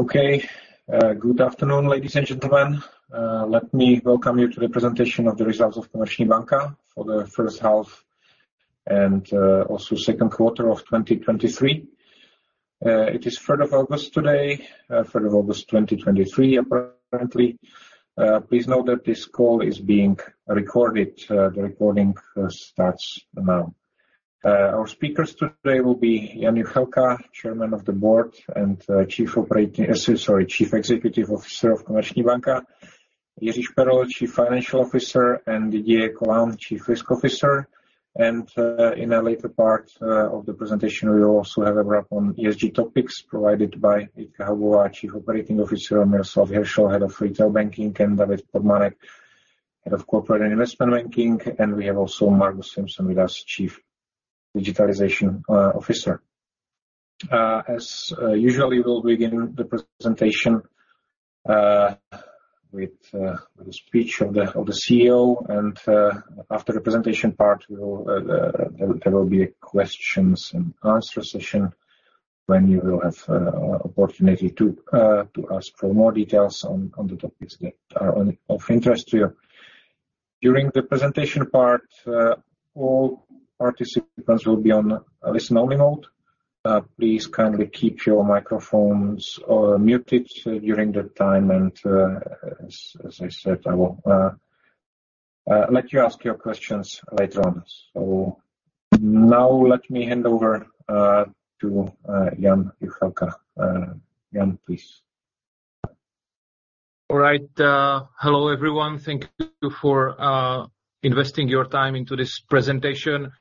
Okay. Good afternoon, ladies and gentlemen. Let me welcome you to the presentation of the results of Komerční Banka for the first half and also second quarter of 2023. It is third of August today, third of August 2023, apparently. Please note that this call is being recorded. The recording starts now. Our speakers today will be Jan Juchelka, Chairman of the Board and Chief Operating, sorry, Chief Executive Officer of Komerční Banka; Jiří Perůtka, Chief Financial Officer; and Didier Colin, Chief Risk Officer. In a later part of the presentation, we will also have a wrap on ESG topics provided by Jitka Hubová, Chief Operating Officer, Miroslav Hyršl, Head of Retail Banking, and David Podmanický, Head of Corporate and Investment Banking. We have also Margus Simson with us, Chief Digital Officer. As usually, we'll begin the presentation, with the speech of the, of the CEO. After the presentation part, we will, there, there will be questions and answer session, when you will have opportunity to, to ask for more details on, on the topics that are on, of interest to you. During the presentation part, all participants will be on listening only mode. Please kindly keep your microphones, muted during that time, and as, as I said, I will, let you ask your questions later on. Now let me hand over, to Jan Juchelka. Jan, please. All right. Hello, everyone. Thank you for investing your time into this presentation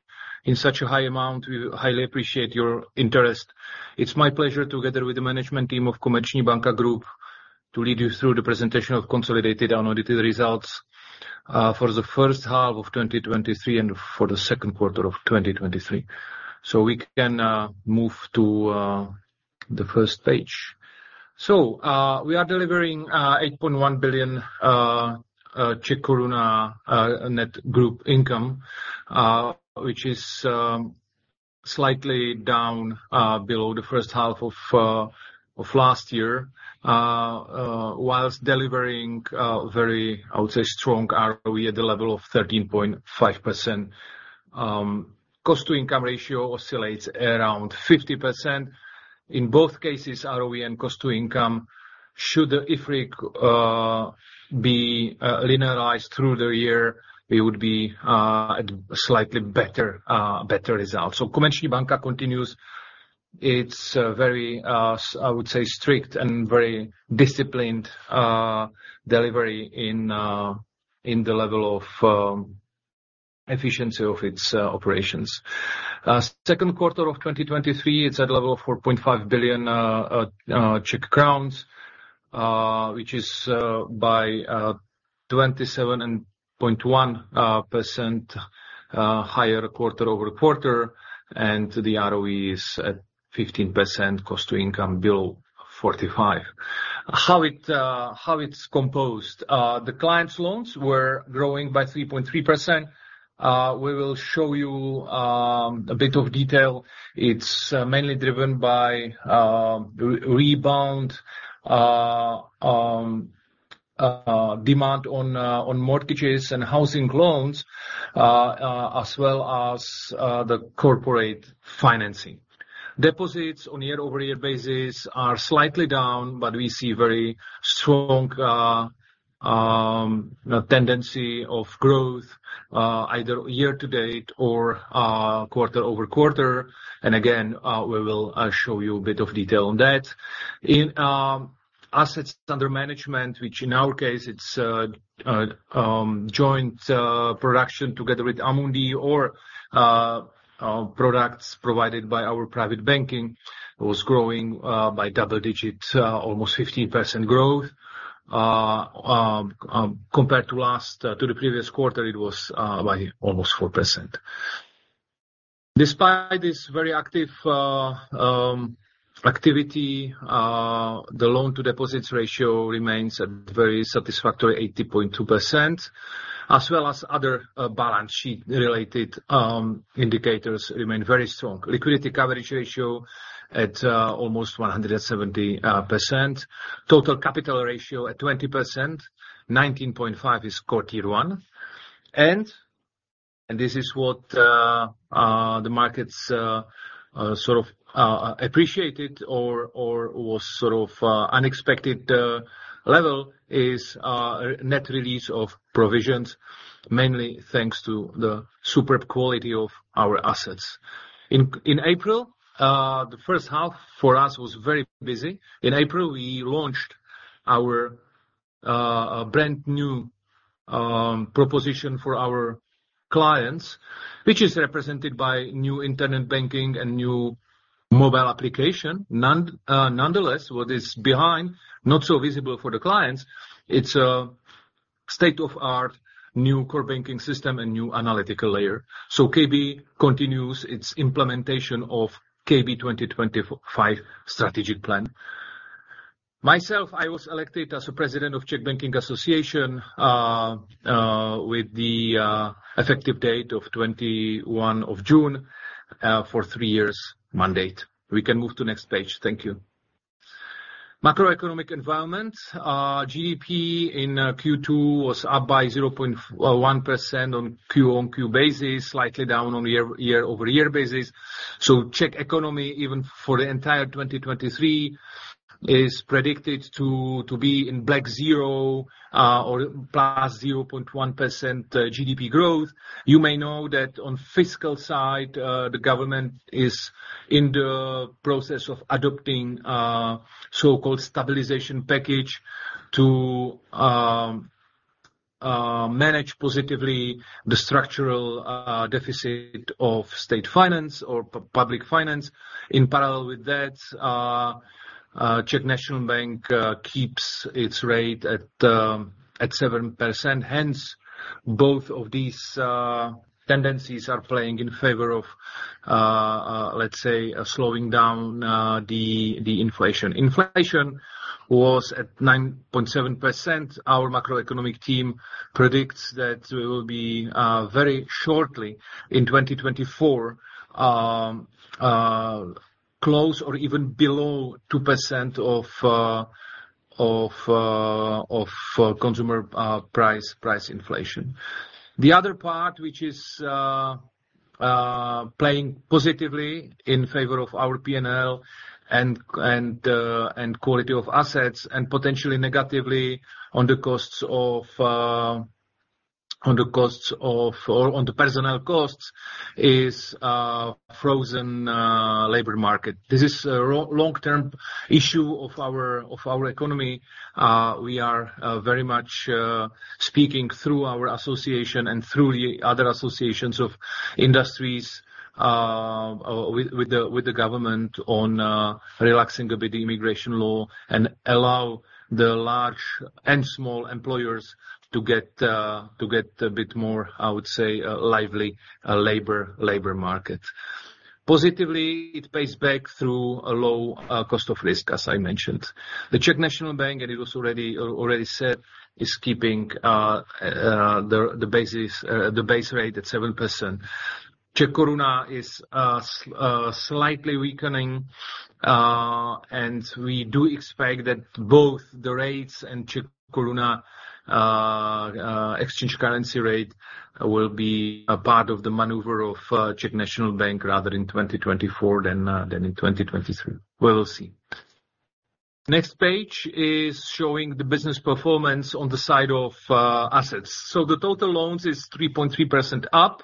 in such a high amount. We highly appreciate your interest. It's my pleasure, together with the management team of Komerční Banka Group, to lead you through the presentation of consolidated unaudited results for the first half of 2023 and for the second quarter of 2023. We can move to the first page. We are delivering 8.1 billion Czech koruna net group income, which is slightly down below the first half of last year, whilst delivering very, I would say, strong ROE at the level of 13.5%. Cost-to-income ratio oscillates around 50%. In both cases, ROE and cost to income, should, if we be linearized through the year, we would be at a slightly better, better result. Komerční Banka continues its very, I would say, strict and very disciplined delivery in the level of efficiency of its operations. Second quarter of 2023, it's at level of 4.5 billion Czech crowns, which is by 27.1% higher quarter-over-quarter, and the ROE is at 15%, cost to income below 45. How it, how it's composed? The client's loans were growing by 3.3%. We will show you a bit of detail. It's mainly driven by re-rebound, demand on mortgages and housing loans, as well as the corporate financing. Deposits on year-over-year basis are slightly down, but we see very strong tendency of growth, either year to date or quarter-over-quarter. Again, we will show you a bit of detail on that. In assets under management, which in our case, it's joint production together with Amundi or products provided by our private banking, was growing by double digits, almost 15% growth. Compared to last to the previous quarter, it was by almost 4%. Despite this very active activity, the loan-to-deposits ratio remains at very satisfactory 80.2%, as well as other balance sheet-related indicators remain very strong. Liquidity coverage ratio at almost 170%. Total capital ratio at 20%, 19.5% is core Tier 1. This is what the markets sort of appreciated or was sort of unexpected level is net release of provisions, mainly thanks to the superb quality of our assets. In April, the first half for us was very busy. In April, we launched our brand-new proposition for our clients, which is represented by new internet banking and new mobile application. None, nonetheless, what is behind, not so visible for the clients, it's a state-of-art, new core banking system and new analytical layer. KB continues its implementation of KB 2025 strategic plan. Myself, I was elected as the President of Czech Banking Association, with the effective date of 21 of June, for three years mandate. We can move to next page. Thank you. Macroeconomic environment. GDP in Q2 was up by 0.1% on quarter-over-quarter basis, slightly down on year, year-over-year basis. Czech economy, even for the entire 2023, is predicted to, to be in black 0, or +0.1% GDP growth. You may know that on fiscal side, the government is in the process of adopting, so-called stabilization package to manage positively the structural deficit of state finance or public finance. In parallel with that, Czech National Bank keeps its rate at 7%. Both of these tendencies are playing in favor of, let's say, slowing down the inflation. Inflation was at 9.7%. Our macroeconomic team predicts that we will be very shortly in 2024, close or even below 2% of consumer price inflation. The other part, which is playing positively in favor of our P&L and, and quality of assets, and potentially negatively on the costs of on the costs of or on the personnel costs, is frozen labor market. This is a long-term issue of our, of our economy. We are very much speaking through our association and through the other associations of industries with, with the, with the government on relaxing a bit immigration law and allow the large and small employers to get to get a bit more, I would say, lively labor, labor market. Positively, it pays back through a low cost of risk, as I mentioned. The Czech National Bank, and it was already, already said, is keeping the basis, the base rate at 7%. Czech koruna is slightly weakening, and we do expect that both the rates and Czech koruna exchange currency rate, will be a part of the maneuver of Czech National Bank, rather in 2024 than in 2023. We will see. Next page is showing the business performance on the side of assets. The total loans is 3.3% up.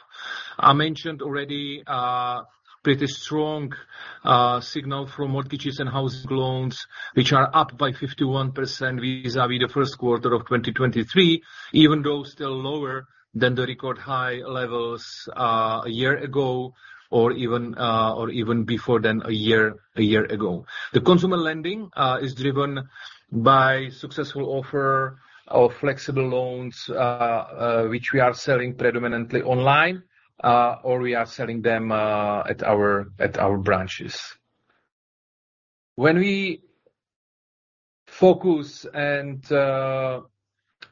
I mentioned already, pretty strong signal from mortgages and housing loans, which are up by 51% vis-a-vis the first quarter of 2023, even though still lower than the record high levels a year ago or even or even before than a year, a year ago. The consumer lending is driven by successful offer of flexible loans, which we are selling predominantly online, or we are selling them at our branches. When we focus and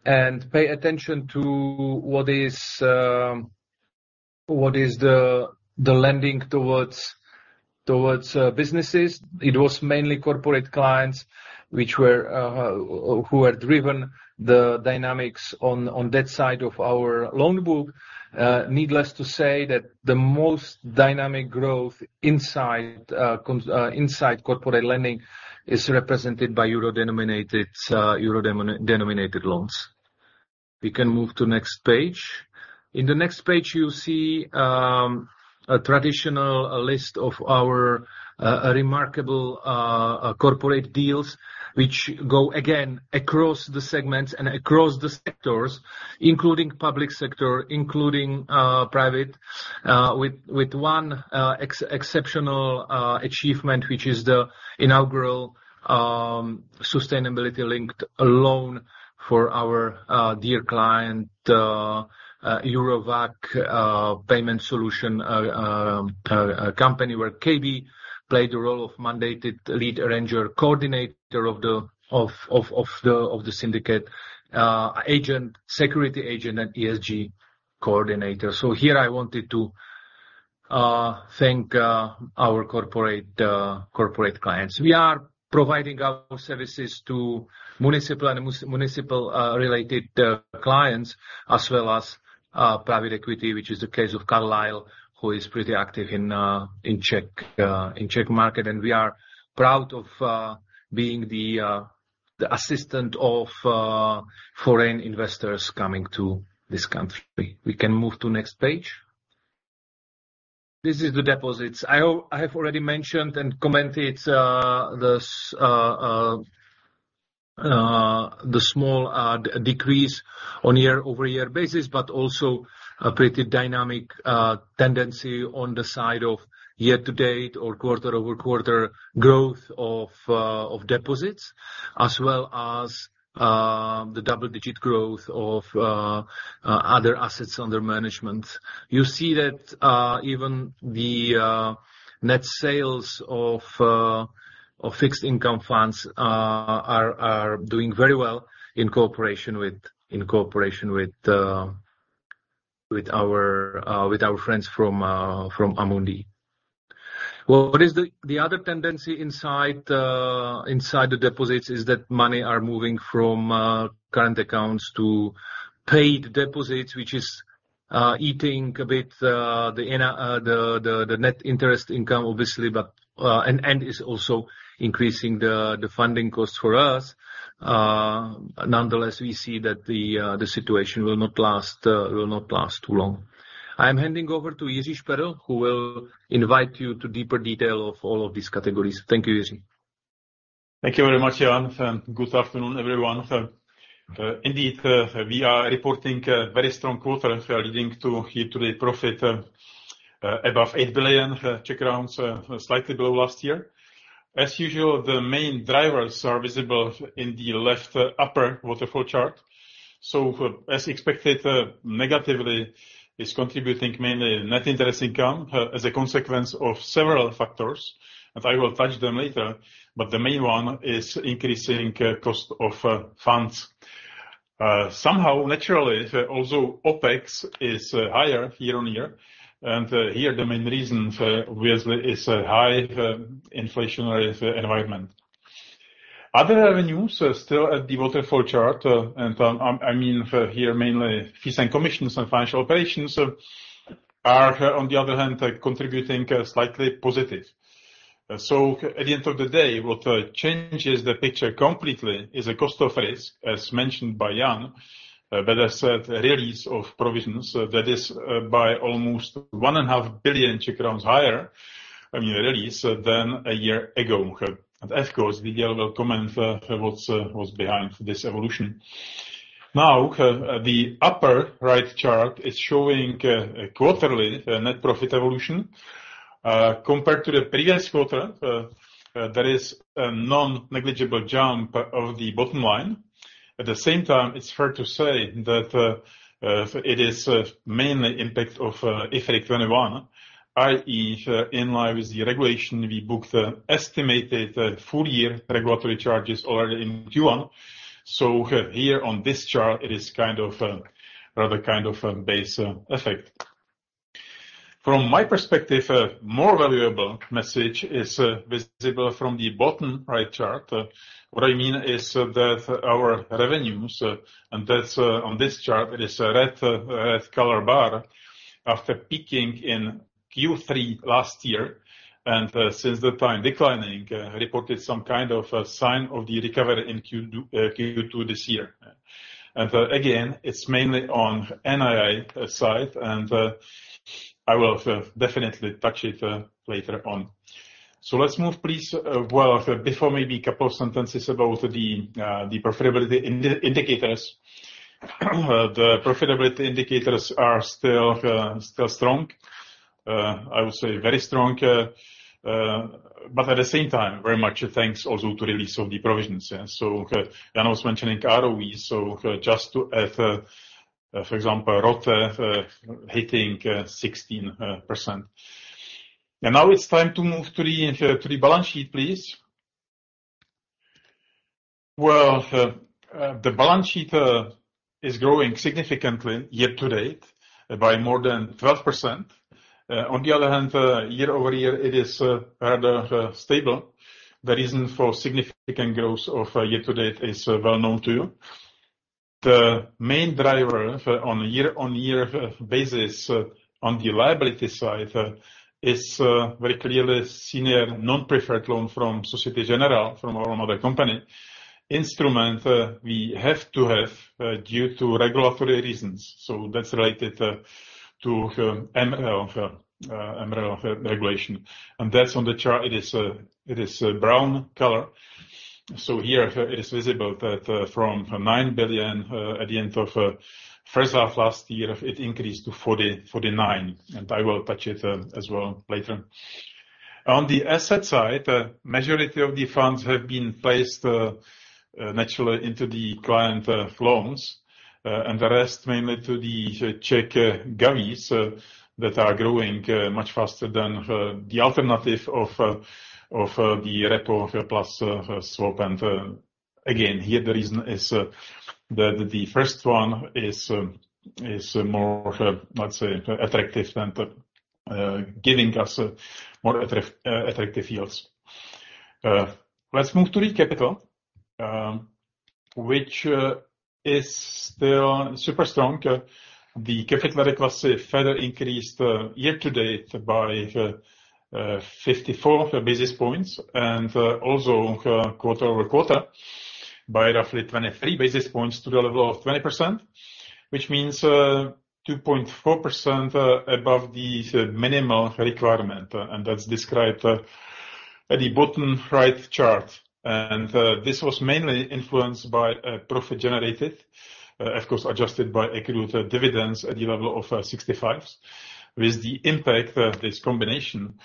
pay attention to what is the lending towards businesses, it was mainly corporate clients who had driven the dynamics on that side of our loan book. Needless to say, that the most dynamic growth inside corporate lending is represented by euro-denominated loans. We can move to next page. In the next page, you see a traditional list of our remarkable corporate deals, which go again across the segments and across the sectors, including public sector, including private, with one exceptional achievement, which is the inaugural sustainability-linked loan for our dear client, Eurowag payment solution company, where KB played the role of mandated lead arranger, coordinator of the syndicate, agent, security agent, and ESG coordinator. Here I wanted to thank our corporate corporate clients. We are providing our services to municipal and municipal related clients, as well as private equity, which is the case of Carlyle, who is pretty active in Czech in Czech market. We are proud of being the the assistant of foreign investors coming to this country. We can move to next page. This is the deposits. I hope... I have already mentioned and commented the small decrease on year-over-year basis, but also a pretty dynamic tendency on the side of year-to-date or quarter-over-quarter growth of deposits, as well as the double digit growth of other assets under management. You see that even the net sales of fixed income funds are, are doing very well in cooperation with, in cooperation with our with our friends from Amundi. Well, what is the other tendency inside the deposits is that money are moving from, current accounts to paid deposits, which is eating a bit the net interest income, obviously, but and is also increasing the funding costs for us. Nonetheless, we see that the situation will not last too long. I am handing over to Jiří Perůtka, who will invite you to deeper detail of all of these categories. Thank you, Jiří Perůtka. Thank you very much, Jan, and good afternoon, everyone. Indeed, we are reporting a very strong quarter, leading to year-to-date profit above 8 billion, slightly below last year. As usual, the main drivers are visible in the left upper waterfall chart. As expected, negatively is contributing mainly net interest income, as a consequence of several factors, and I will touch them later, but the main one is increasing cost of funds. Somehow, naturally, also, OpEx is higher year-on-year, and here, the main reason, obviously, is a high inflationary environment. Other revenues are still at the waterfall chart, and I, I mean for here, mainly fees and commissions and financial operations are, on the other hand, are contributing slightly positive. At the end of the day, what changes the picture completely is a cost of risk, as mentioned by Jan, that is, a release of provisions that is by almost 1.5 billion Czech crowns higher, I mean, release, than a year ago. Of course, we will comment what's what's behind this evolution. The upper right chart is showing a quarterly net profit evolution. Compared to the previous quarter, there is a non-negligible jump of the bottom line. At the same time, it's fair to say that it is mainly impact of IFRIC 21, i.e., in line with the regulation, we booked an estimated full-year regulatory charges already in Q1. Here on this chart, it is kind of, rather kind of a base effect. From my perspective, a more valuable message is visible from the bottom right chart. What I mean is that our revenues, and that's on this chart, it is a red, red color bar. After peaking in Q3 last year, since that time, declining, reported some kind of a sign of the recovery in Q2, Q2 this year. Again, it's mainly on NII side, and I will definitely touch it later on. Let's move, please. Well, before, maybe a couple of sentences about the profitability indicators. The profitability indicators are still, still strong. I would say very strong, but at the same time, very much thanks also to release of the provisions, yeah? Jan was mentioning ROE, so just to add, for example, ROTE, hitting 16%. Now it's time to move to the balance sheet, please. The balance sheet is growing significantly year-to-date by more than 12%. On the other hand, year-over-year, it is rather stable. The reason for significant growth of year-to-date is well known to you. The main driver on a year-on-year basis, on the liability side, is very clearly senior non-preferred loan from Société Générale, from our mother company. Instrument we have to have due to regulatory reasons, so that's related to MREL, MREL regulation. That's on the chart. It is it is brown color. Here, it is visible that from 9 billion at the end of first half last year, it increased to 40, 49, and I will touch it as well later. On the asset side, majority of the funds have been placed naturally into the client loans, and the rest, mainly to the Czech government funds, that are growing much faster than the alternative of the repo plus swap. Again, here, the reason is that the first one is more, let's say, attractive than the giving us more attractive yields. Let's move to the capital, which is still super strong. The capital adequacy further increased year to date by 54 basis points, also quarter-over-quarter by roughly 23 basis points to the level of 20%, which means 2.4% above the minimal requirement. That's described at the bottom right chart. This was mainly influenced by profit generated, of course, adjusted by accrued dividends at the level of 65 basis points, with the impact of this combination,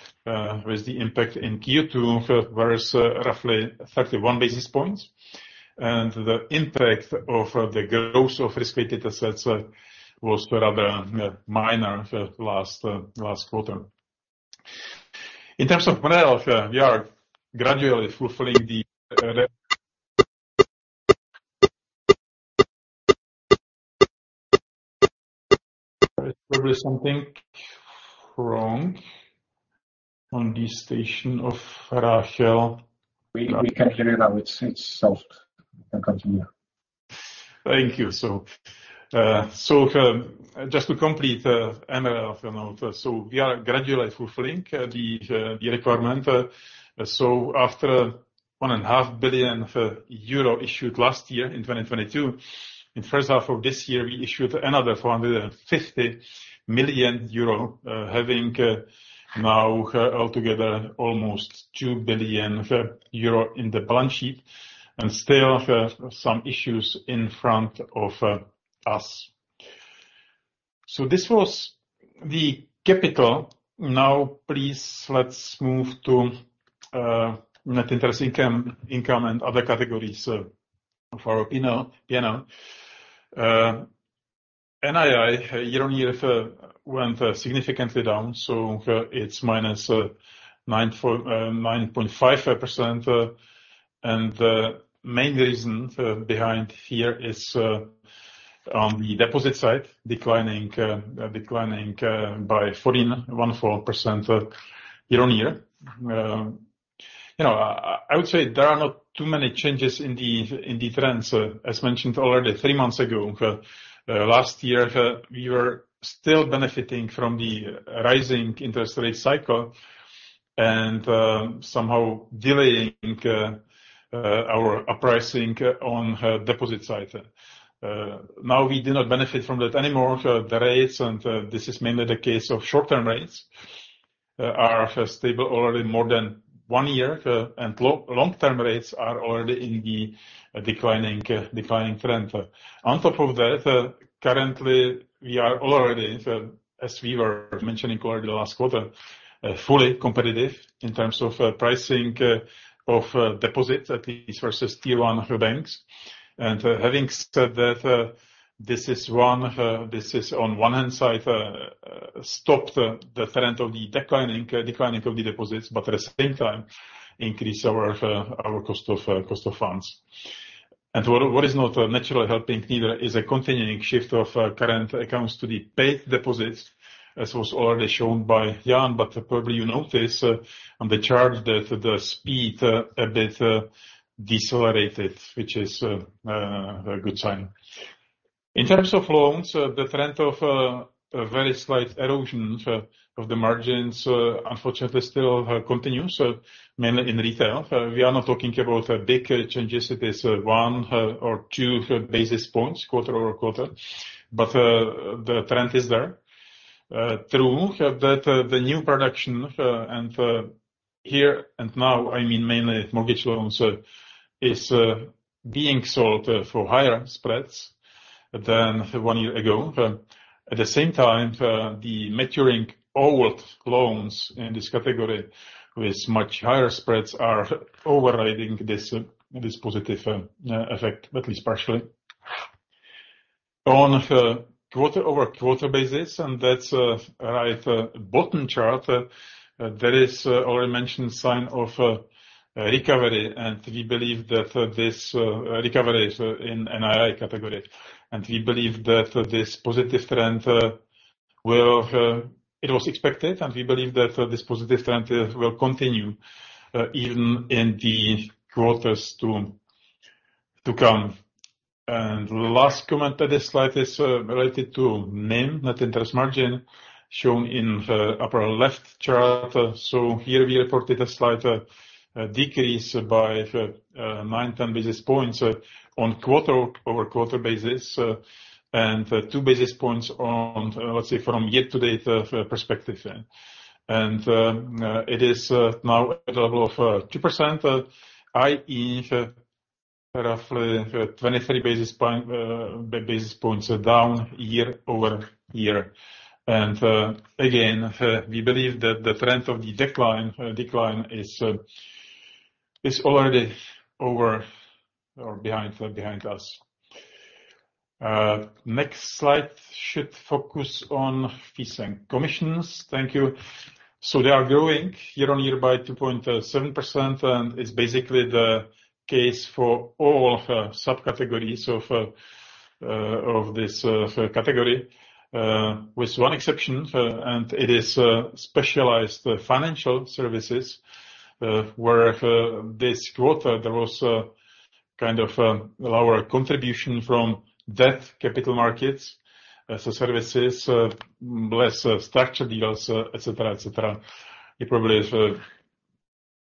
with the impact in Q2, whereas roughly 31 basis points. The impact of the growth of risk-weighted assets was rather minor for last last quarter. In terms of MREL, we are gradually fulfilling the-... There's probably something wrong on the station of Rachel. We, we can hear you now. It's, it's solved. You can continue. Thank you. Just to complete MREL, we are gradually fulfilling the requirement. After 1.5 billion euro issued last year in 2022, in first half of this year, we issued another 450 million euro, having now altogether almost 2 billion euro in the balance sheet, and still some issues in front of us. This was the capital. Now, please, let's move to net interest income, income and other categories of our, you know, you know. NII, year-on-year, went significantly down, it's minus 9.5%. The main reason behind here is on the deposit side, declining, declining by 14% year-on-year. You know, I, I would say there are not too many changes in the, in the trends. As mentioned already, three months ago, last year, we were still benefiting from the rising interest rate cycle and somehow delaying our pricing on deposit side. Now we do not benefit from that anymore. The rates, and this is mainly the case of short-term rates, are stable already more than one year, and long-term rates are already in the declining trend. On top of that, currently, we are already, as we were mentioning already last quarter, fully competitive in terms of pricing of deposits, at least versus Tier 1 banks. Having said that, this is one, this is on one hand side, stopped the trend of the declining, declining of the deposits, but at the same time increase our, our cost of, cost of funds. What, what is not naturally helping either is a continuing shift of current accounts to the paid deposits, as was already shown by Jan, but probably you notice on the chart that the speed a bit decelerated, which is a good sign. In terms of loans, the trend of a very slight erosion of the margins, unfortunately, still continues, mainly in retail. We are not talking about big changes. It is 1 or 2 basis points, quarter-over-quarter, but the trend is there. True that the new production, and, here and now, I mean, mainly mortgage loans, is being sold for higher spreads than one year ago. At the same time, the maturing old loans in this category with much higher spreads are overriding this positive effect, at least partially. On a quarter-over-quarter basis, and that's right, bottom chart, there is already mentioned sign of a recovery, and we believe that this recovery is in NII category. We believe that this positive trend will. It was expected, and we believe that this positive trend will continue even in the quarters to come. Last comment on this slide is related to NIM, Net Interest Margin, shown in the upper left chart. Here we reported a slight decrease by 9-10 basis points on quarter-over-quarter basis, and 2 basis points on, let's say, from year-to-date perspective. And it is now at a level of 2%, i.e., roughly 23 basis points down year-over-year. And again, we believe that the trend of the decline, decline is already over or behind, behind us. Next slide should focus on fees and commissions. Thank you. They are growing year on year by 2.7%, and it's basically the case for all subcategories of this category, with 1 exception, and it is specialized financial services, where this quarter, there was a kind of lower contribution from debt capital markets, so services, less structure deals, etc., etc. You probably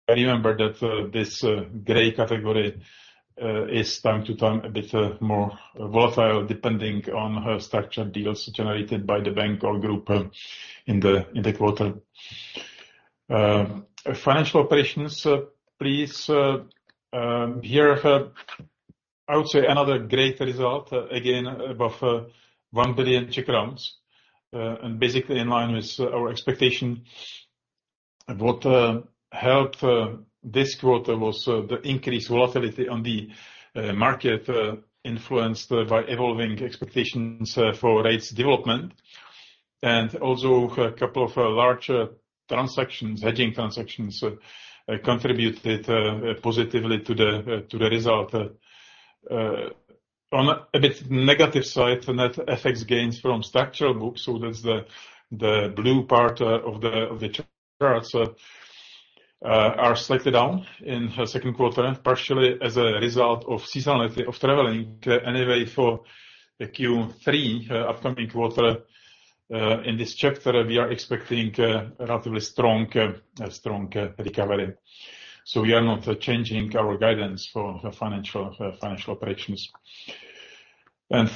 remember that this gray category is time to time a bit more volatile, depending on structure deals generated by the bank or group in the quarter. Financial operations, please, here, I would say another great result, again, above 1 billion Czech crowns, and basically in line with our expectation. What helped this quarter was the increased volatility on the market, influenced by evolving expectations for rates development. Also a couple of larger transactions, hedging transactions, contributed positively to the result. On a bit negative side, net FX gains from structural books, so that's the blue part of the chart, are slightly down in the second quarter, partially as a result of seasonality of traveling. Anyway, for the Q3 upcoming quarter, in this chapter, we are expecting relatively strong, strong recovery. We are not changing our guidance for financial, financial operations.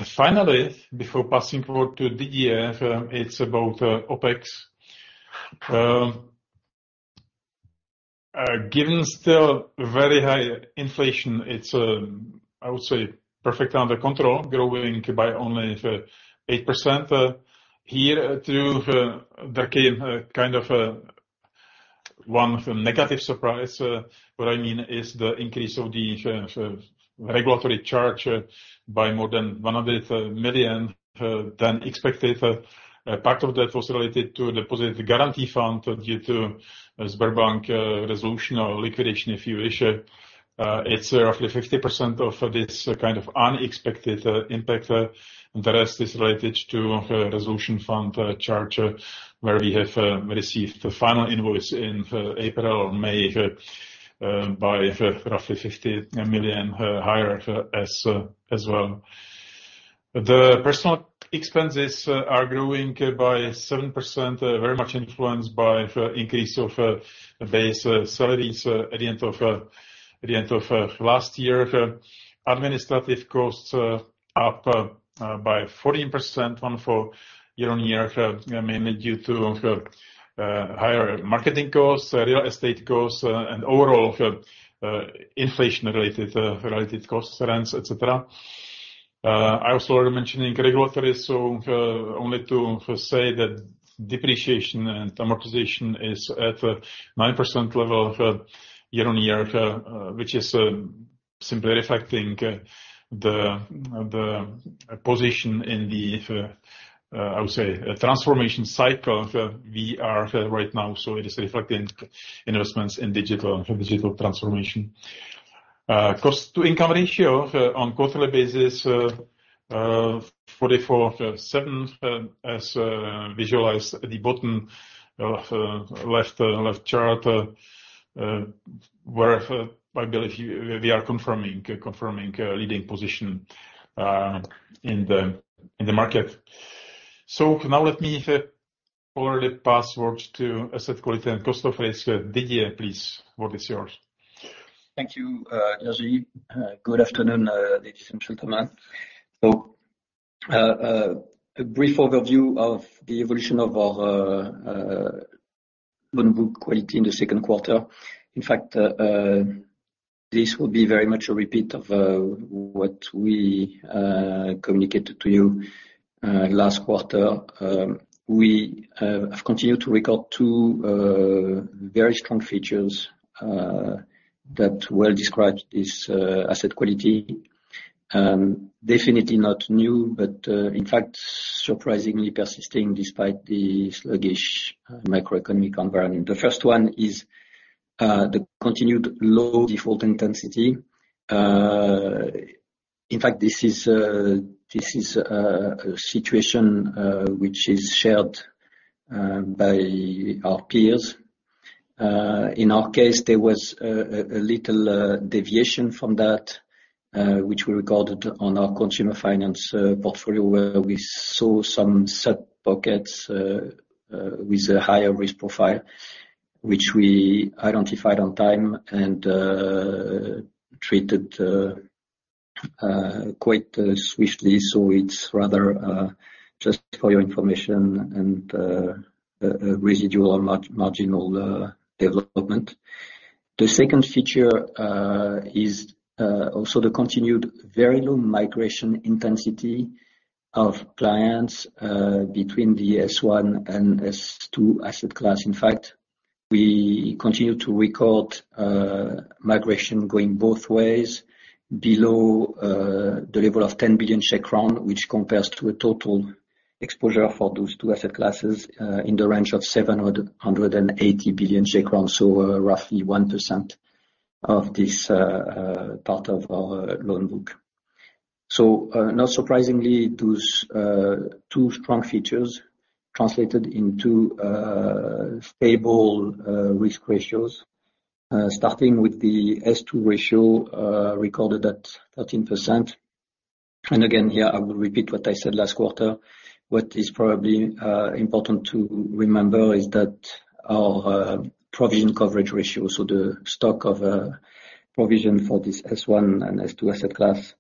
Finally, before passing forward to Didier, it's about OpEx. Given still very high inflation, it's, I would say, perfect under control, growing by only 8%, here through the kind of one negative surprise. What I mean is the increase of the regulatory charge by more than 100 million than expected. A part of that was related to deposit guarantee fund due to Sberbank resolution or liquidation, if you wish. It's roughly 50% of this kind of unexpected impact. The rest is related to resolution fund charge, where we have received the final invoice in April or May, by roughly 50 million higher as well. The personal expenses are growing by 7%, very much influenced by the increase of base salaries at the end of last year. Administrative costs are up by 14% for year-on-year, mainly due to higher marketing costs, real estate costs, and overall inflation-related, related costs, rents, et cetera. I also already mentioning regulatory, so, only to say that depreciation and amortization is at a 9% level of year-on-year, which is simply reflecting the position in the, I would say, transformation cycle we are right now, so it is reflecting investments in digital, digital transformation. Cost-to-income ratio on quarterly basis, 44.7%, as visualized at the bottom of the left chart, where I believe we are confirming, confirming leading position in the market. Now let me already pass forward to asset quality and cost of risk. Didier, please, what is yours? Thank you, Jiří. Good afternoon, ladies and gentlemen. A brief overview of the evolution of our loan book quality in the second quarter. In fact, this will be very much a repeat of what we communicated to you last quarter. We have continued to record two very strong features that well describe this asset quality. Definitely not new, but in fact, surprisingly persisting despite the sluggish macroeconomic environment. The first one is the continued low default intensity. In fact, this is this is a situation which is shared by our peers. In our case, there was a little deviation from that, which we recorded on our consumer finance portfolio, where we saw some sub-pockets with a higher risk profile, which we identified on time and treated quite swiftly. It's rather just for your information and residual mar- marginal development. The second feature is also the continued very low migration intensity of clients between the S1 and S2 asset class. In fact, we continue to record migration going both ways below the level of 10 billion, which compares to a total exposure for those two asset classes in the range of 780 billion, so roughly 1% of this part of our loan book. Not surprisingly, those two strong features translated into stable risk ratios. Starting with the S2 ratio, recorded at 13%. Again, here, I will repeat what I said last quarter. What is probably important to remember is that our provision coverage ratio, so the stock of provision for this S1 and S2 asset class,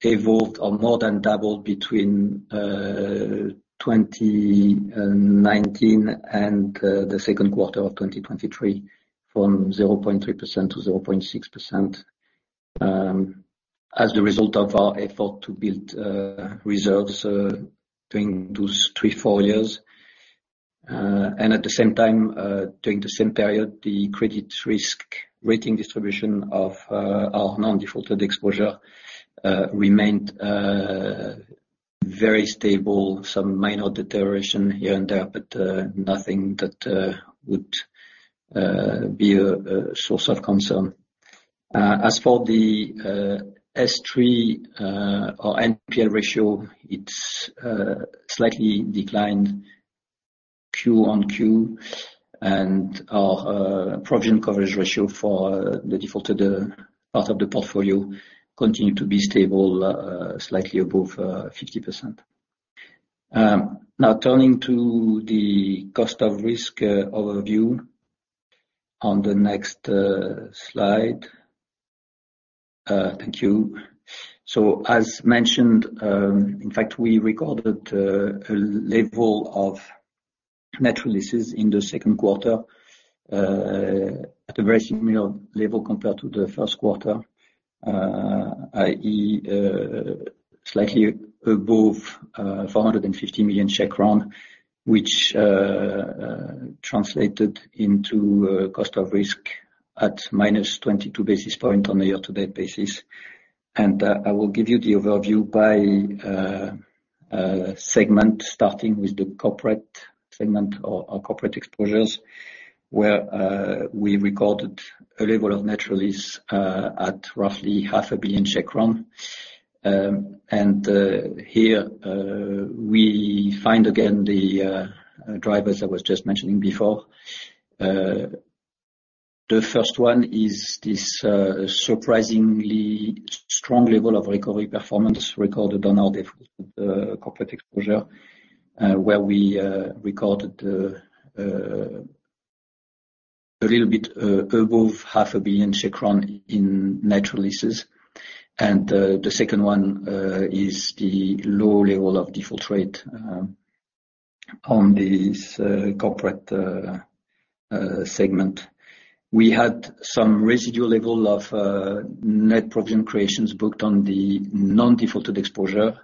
evolved or more than doubled between 2019 and the second quarter of 2023, from 0.3%-0.6%, as a result of our effort to build reserves during those three, four years. At the same time, during the same period, the credit risk rating distribution of our non-defaulted exposure remained very stable, some minor deterioration here and there, but nothing that would be a source of concern. As for the S3 or NPL ratio, it's slightly declined quarter-on-quarter, and our provision coverage ratio for the defaulted part of the portfolio continue to be stable, slightly above 50%. Now turning to the cost of risk overview on the next slide. Thank you. As mentioned, in fact, we recorded a level of net releases in the second quarter at a very similar level compared to the first quarter, i.e., slightly above 450 million, which translated into cost of risk at -22 basis point on a year-to-date basis. I will give you the overview by segment, starting with the corporate segment or our corporate exposures, where we recorded a level of net release at roughly 500 million. Here we find again, the drivers I was just mentioning before. The first one is this surprisingly strong level of recovery performance recorded on our default corporate exposure, where we recorded a little bit above 500 million in net releases. The second one is the low level of default rate on this corporate segment. We had some residual level of net provision creations booked on the non-defaulted exposure,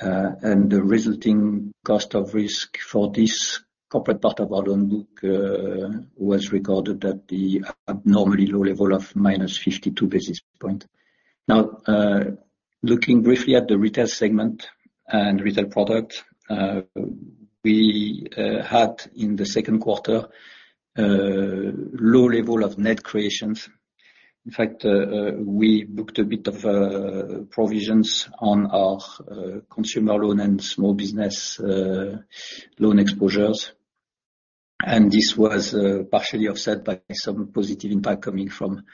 and the resulting cost of risk for this corporate part of our loan book was recorded at the abnormally low level of -52 basis points. Looking briefly at the retail segment and retail product, we had in the second quarter low level of net creations. In fact, we booked a bit of provisions on our consumer loan and small business loan exposures. This was partially offset by some positive impact coming from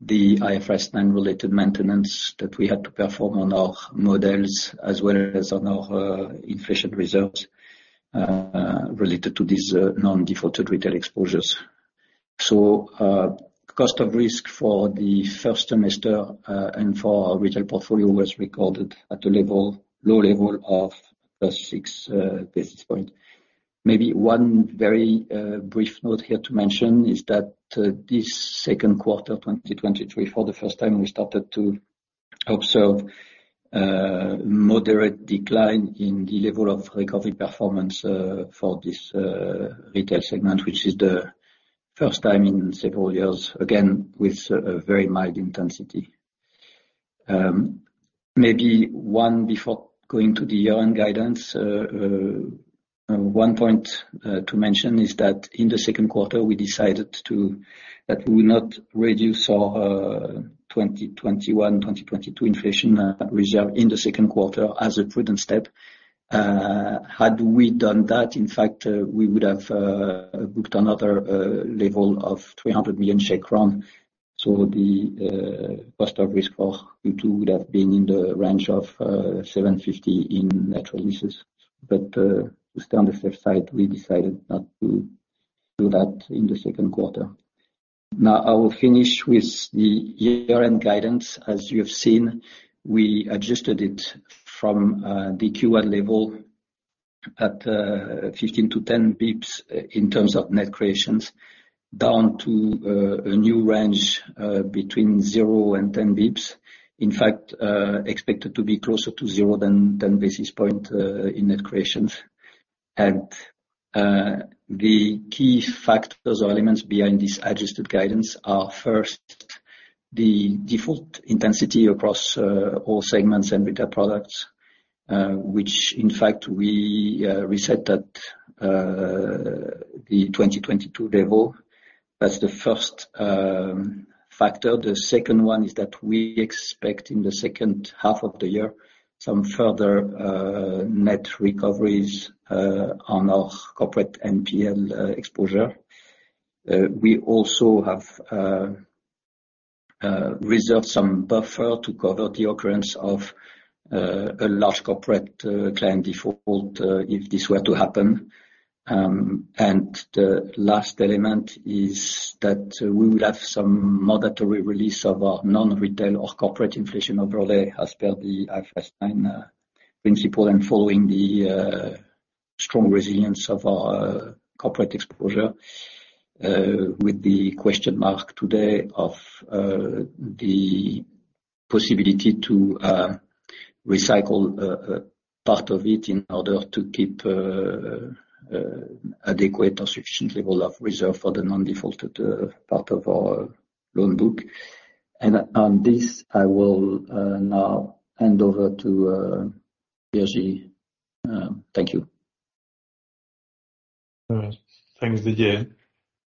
the IFRS 9 related maintenance that we had to perform on our models, as well as on our inflation reserves related to these non-defaulted retail exposures. Cost of risk for the first semester and for our retail portfolio was recorded at a level-- low level of +6 basis point. Maybe one very brief note here to mention is that this second quarter, 2023, for the first time, we started to observe moderate decline in the level of recovery performance for this retail segment, which is the first time in several years, again, with a very mild intensity. Maybe one before going to the year-end guidance, one point to mention is that in the second quarter, we decided to... that we will not reduce our 2021, 2022 inflation reserve in the second quarter as a prudent step. Had we done that, in fact, we would have booked another level of 300 million, so the cost of risk for Q2 would have been in the range of 750 in net releases. To stay on the safe side, we decided not to do that in the second quarter. I will finish with the year-end guidance. As you have seen, we adjusted it from the Q1 level at 15-10 basis points in terms of net creations, down to a new range between 0 and 10 basis points. In fact, expected to be closer to 0 than 10 basis point in net creations. The key factors or elements behind this adjusted guidance are, first, the default intensity across all segments and retail products, which in fact we reset at the 2022 level. That's the first factor. The second one is that we expect in the second half of the year, some further net recoveries on our corporate NPL exposure. We also have reserved some buffer to cover the occurrence of a large corporate client default, if this were to happen. And the last element is that we will have some mandatory release of our non-retail or corporate inflation overlay, as per the IFRS 9 principle, and following the strong resilience of our corporate exposure, with the question mark today of the possibility to recycle part of it in order to keep adequate or sufficient level of reserve for the non-defaulted part of our loan book. And on this, I will now hand over to Jiří. Thank you. Thanks, Didier.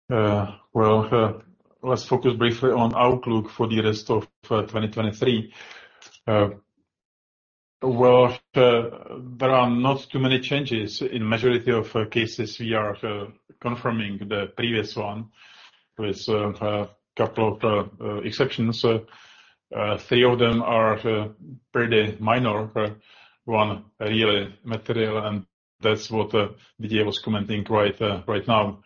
Well, let's focus briefly on outlook for the rest of 2023. Well, there are not too many changes. In majority of cases, we are confirming the previous one with a couple of exceptions. Three of them are pretty minor, one really material, and that's what Didier was commenting right right now,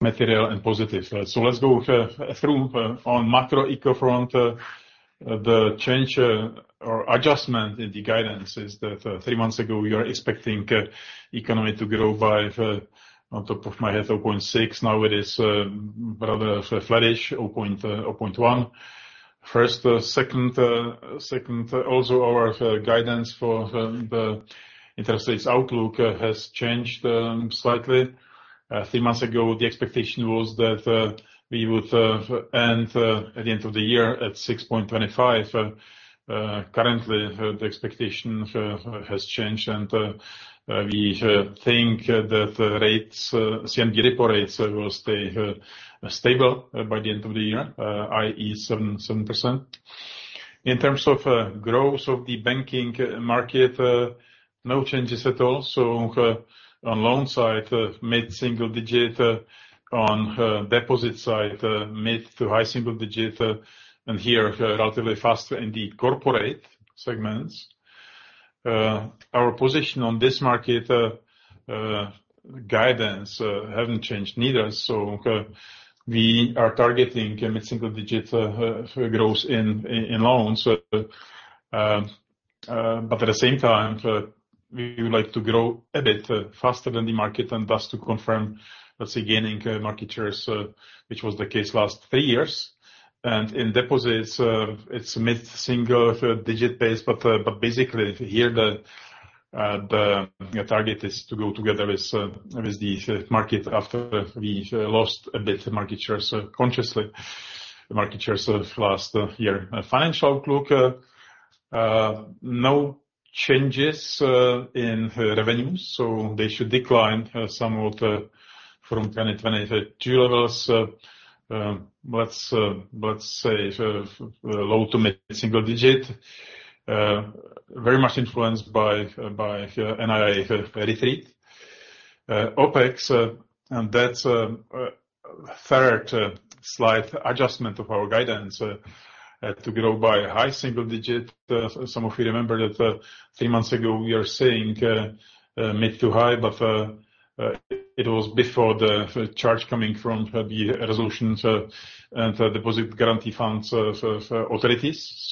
material and positive. Let's go through on macro eco front. The change or adjustment in the guidance is that three months ago, we are expecting economy to grow by on top of my head, 0.6%. Now it is rather flourish, 0., 0.1%. First, second, second, also our guidance for the interest rates outlook has changed slightly. Three months ago, the expectation was that we would end at the end of the year at 6.25%. Currently, the expectation has changed, and we think that the rates, CMB repo rates will stay stable by the end of the year, i.e., 7%. In terms of growth of the banking market, no changes at all. On loan side, mid-single digit, on deposit side, mid to high single digit, and here, relatively faster in the corporate segments. Our position on this market, guidance, haven't changed neither. We are targeting a mid-single digit growth in, i-in loans. At the same time, we would like to grow a bit faster than the market and thus to confirm, let's say, gaining market shares, which was the case last three years. In deposits, it's mid-single digit base, but basically, here, the target is to go together with the market after we lost a bit of market share. Consciously, the market share of last year. Financial outlook, no changes in revenues, so they should decline somewhat from 2022 levels. Let's say, low to mid-single digit, very much influenced by NII retreat. OpEx, that's third slight adjustment of our guidance, to grow by high single digit. Some of you remember that, three months ago, we are saying mid to high, but it was before the charge coming from the Resolution and Deposit Guarantee Funds Authorities.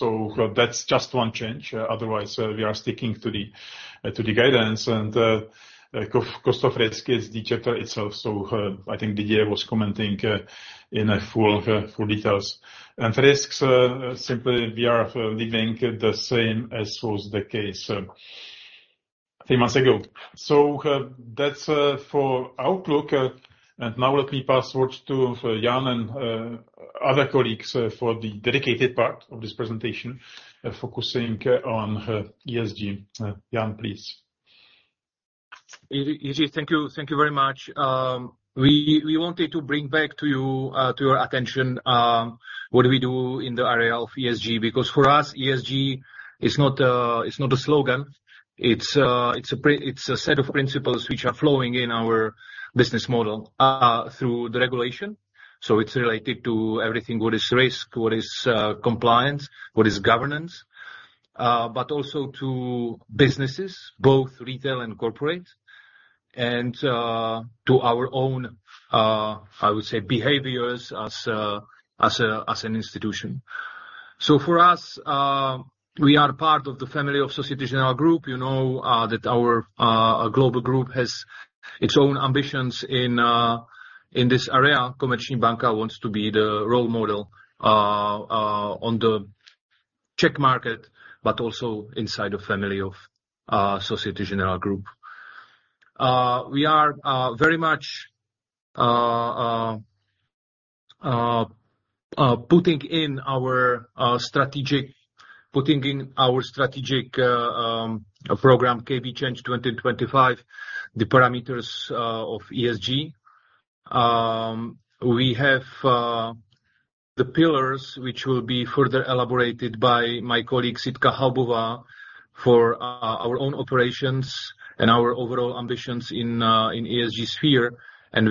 That's just one change. Otherwise, we are sticking to the guidance, and cost of risk is digital itself, so I think Didier was commenting in full details. Risks, simply we are leaving the same as was the case three months ago. That's for outlook. Now let me pass over to Jan and other colleagues for the dedicated part of this presentation, focusing on ESG. Jan, please. Jiří, thank you. Thank you very much. We, we wanted to bring back to you, to your attention, what we do in the area of ESG, because for us, ESG is not a, it's not a slogan. It's, it's a set of principles which are flowing in our business model, through the regulation. It's related to everything, what is risk, what is compliance, what is governance, but also to businesses, both retail and corporate, and to our own, I would say, behaviors as an institution. For us, we are part of the family of Société Générale Group. You know, that our global group has its own ambitions in, in this area. Komerční Banka wants to be the role model on the Czech market, but also inside the family of Société Générale Group. We are very much putting in our strategic program, KB Change 2025, the parameters of ESG. We have the pillars, which will be further elaborated by my colleague, Jitka Hubová, for our own operations and our overall ambitions in ESG sphere, and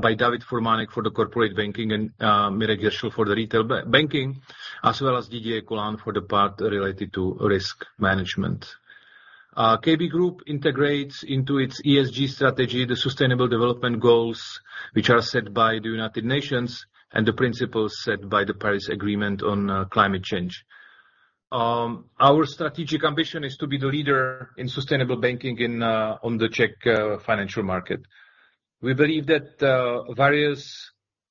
by David Podmanický for the corporate banking and Miroslav Hyršl for the retail banking, as well as Didier Colin for the part related to risk management. KB Group integrates into its ESG strategy, the sustainable development goals, which are set by the United Nations and the principles set by the Paris Agreement on Climate Change. Our strategic ambition is to be the leader in sustainable banking in on the Czech financial market. We believe that various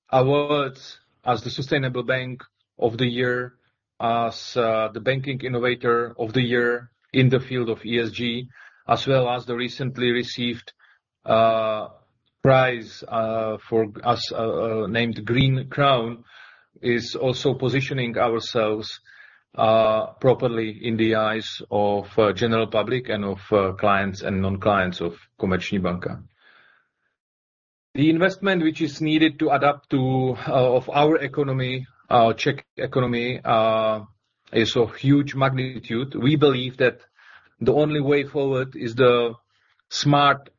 awards as the Sustainable Bank of the Year, as the Banking Innovator of the Year in the field of ESG, as well as the recently received prize for as named Green Crown, is also positioning ourselves properly in the eyes of general public and of clients and non-clients of Komerční Banka. The investment, which is needed to adapt to of our economy, Czech economy, is of huge magnitude. We believe that the only way forward is the smart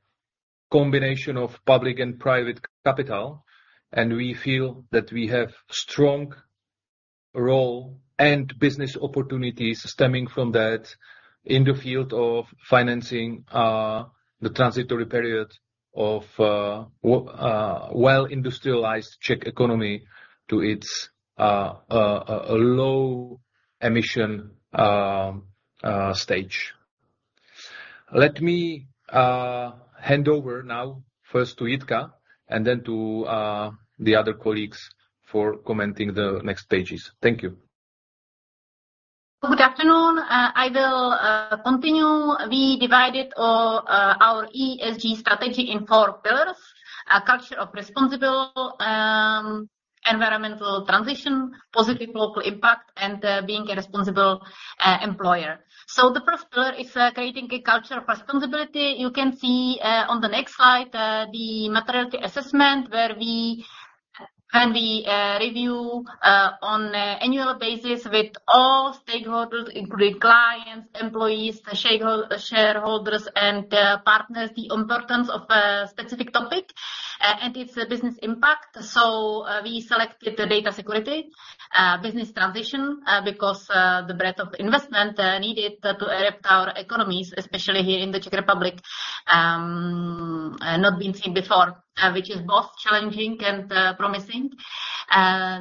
combination of public and private capital. We feel that we have strong role and business opportunities stemming from that in the field of financing, the transitory period of well-industrialized Czech economy to its a low emission stage. Let me hand over now, first to Jitka, and then to the other colleagues for commenting the next pages. Thank you. Good afternoon. I will continue. We divided our ESG strategy in four pillars: a culture of responsible, environmental transition, positive local impact, and being a responsible employer. The first pillar is creating a culture of responsibility. You can see on the next slide the materiality assessment, where we, and we review on annual basis with all stakeholders, including clients, employees, shareholders, and partners, the importance of a specific topic and its business impact. We selected the data security, business transition, because the breadth of investment needed to adapt our economies, especially here in the Czech Republic, not been seen before, which is both challenging and promising.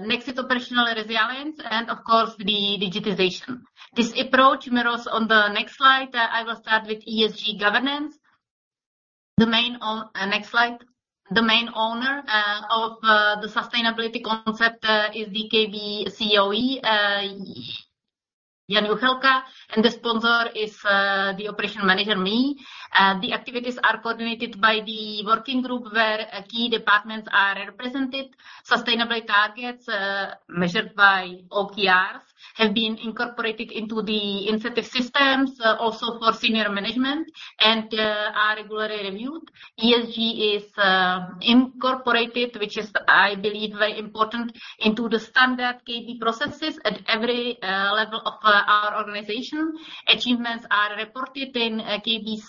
Next, operational resilience, and of course, the digitization. This approach mirrors on the next slide. I will start with ESG governance. Next slide. The main owner of the sustainability concept is the KB CEO, Jan Juchelka, and the sponsor is the operation manager, me. The activities are coordinated by the working group, where key departments are represented. Sustainable targets, measured by OKRs, have been incorporated into the incentive systems, also for senior management and are regularly reviewed. ESG is incorporated, which is, I believe, very important, into the standard KB processes at every level of our organization. Achievements are reported in a KB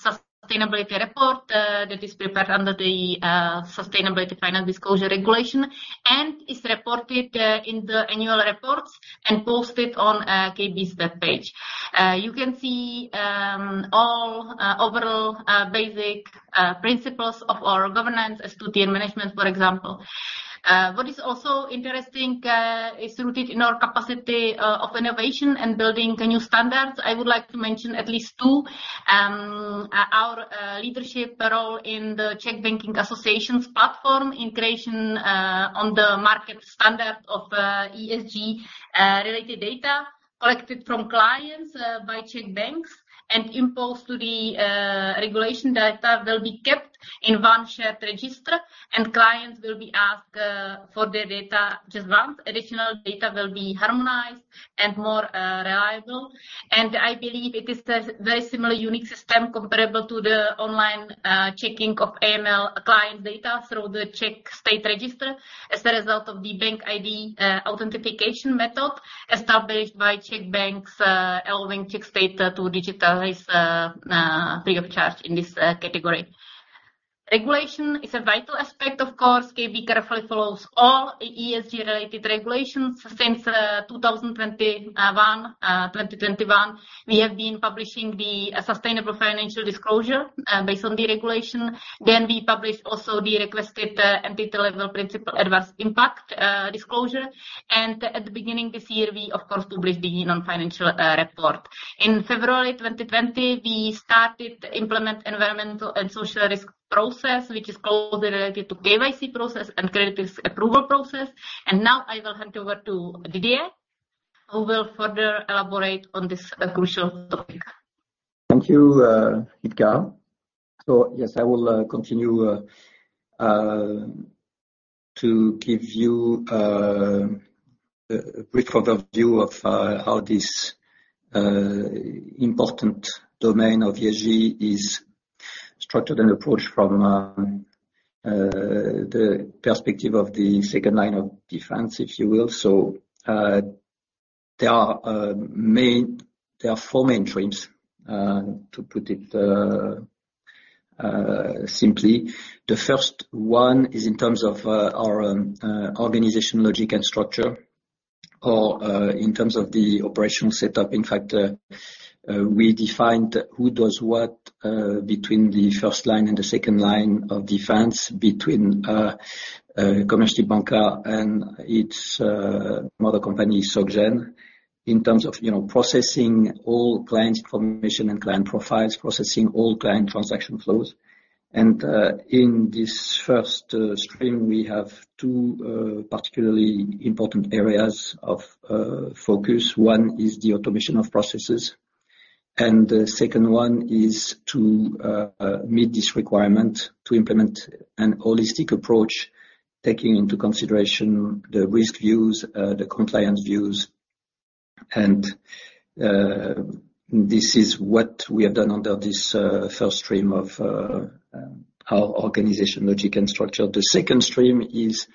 sustainability report that is prepared under the Sustainable Finance Disclosure Regulation, and is reported in the annual reports and posted on KB's web page. You can see all overall basic principles of our governance as to the management, for example. What is also interesting is rooted in our capacity of innovation and building the new standards. I would like to mention at least two. Our leadership role in the Czech Banking Association's platform in creation on the market standard of ESG related data collected from clients by Czech banks and imposed to the regulation data will be kept in one shared register, and clients will be asked for their data just once. Additional data will be harmonized and more reliable. I believe it is a very similar unique system comparable to the online checking of AML client data through the Czech State Register as a result of the BankID authentication method established by Czech banks, allowing Czech State to digitize free of charge in this category. Regulation is a vital aspect, of course. KB carefully follows all ESG-related regulations. Since 2021, we have been publishing the Sustainable Financial Disclosure based on the regulation. We published also the requested entity-level principal adverse impact disclosure. At the beginning of this year, we of course, published the non-financial report. In February 2020, we started to implement environmental and social risk process, which is closely related to KYC process and credit risk approval process. Now I will hand over to Didier, who will further elaborate on this, crucial topic. Thank you, Jitka. Yes, I will continue to give you a brief overview of how this important domain of ESG is structured and approached from the perspective of the second line of defense, if you will. There are four main streams to put it simply. The first one is in terms of our organization, logic, and structure, or in terms of the operational setup. In fact, we defined who does what between the first line and the second line of defense, between-... Komerční Banka and its mother company, SOGEN, in terms of, you know, processing all clients' information and client profiles, processing all client transaction flows. In this first stream, we have two particularly important areas of focus. One is the automation of processes, and the second one is to meet this requirement to implement an holistic approach, taking into consideration the risk views, the compliance views. This is what we have done under this first stream of our organization, logic, and structure. The second stream is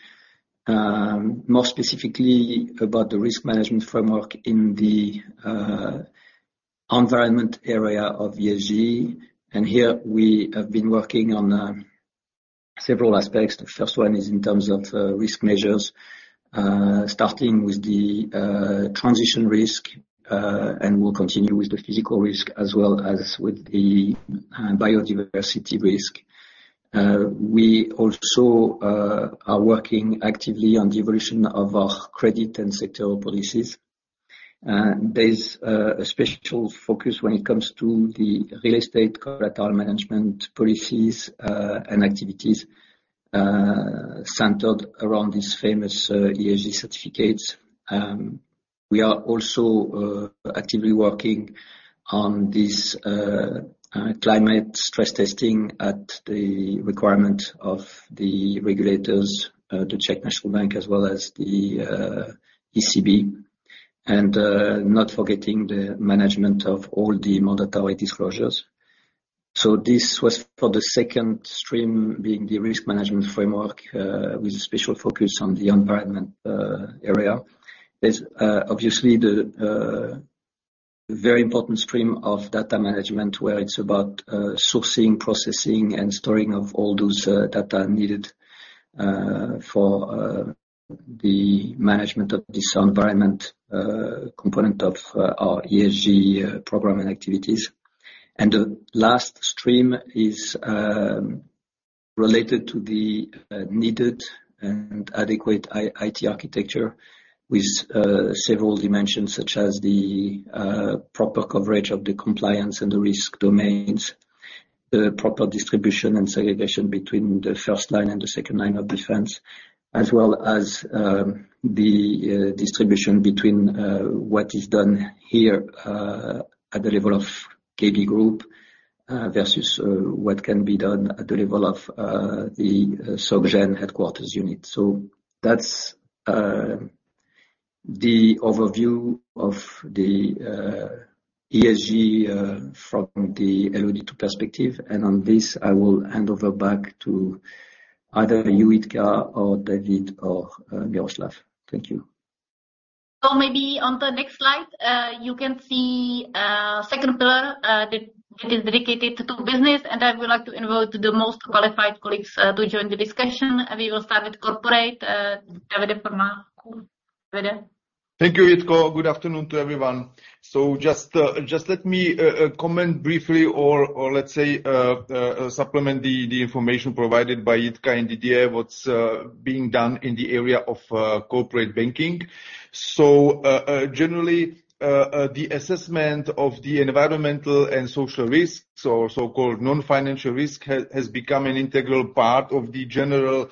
more specifically about the risk management framework in the environment area of ESG, and here we have been working on several aspects. The first one is in terms of risk measures, starting with the transition risk, and we'll continue with the physical risk as well as with the biodiversity risk. We also are working actively on the evolution of our credit and sector policies. There's a special focus when it comes to the real estate collateral management policies and activities centered around this famous ESG certificates. We are also actively working on this climate stress testing at the requirement of the regulators, the Czech National Bank, as well as the ECB, and not forgetting the management of all the monetarist disclosures. This was for the second stream, being the risk management framework, with a special focus on the environment area. There's obviously the very important stream of data management, where it's about sourcing, processing, and storing of all those data needed for the management of this environment component of our ESG program and activities. The last stream is related to the needed and adequate IT architecture with several dimensions, such as the proper coverage of the compliance and the risk domains, the proper distribution and segregation between the first line and the second line of defense, as well as the distribution between what is done here at the level of KB group versus what can be done at the level of the SOGEN headquarters unit. That's the overview of the ESG from the LOD2 perspective. On this, I will hand over back to either Jitka or David or Miroslav. Thank you. Maybe on the next slide, you can see, second pillar, that is dedicated to business, and I would like to invite the most qualified colleagues, to join the discussion. We will start with corporate, David Podmanický. David? Thank you, Jitka. Good afternoon to everyone. Just let me comment briefly or, or let's say, supplement the information provided by Jitka and Didier what's being done in the area of corporate banking. Generally, the assessment of the environmental and social risks or so-called non-financial risk has become an integral part of the general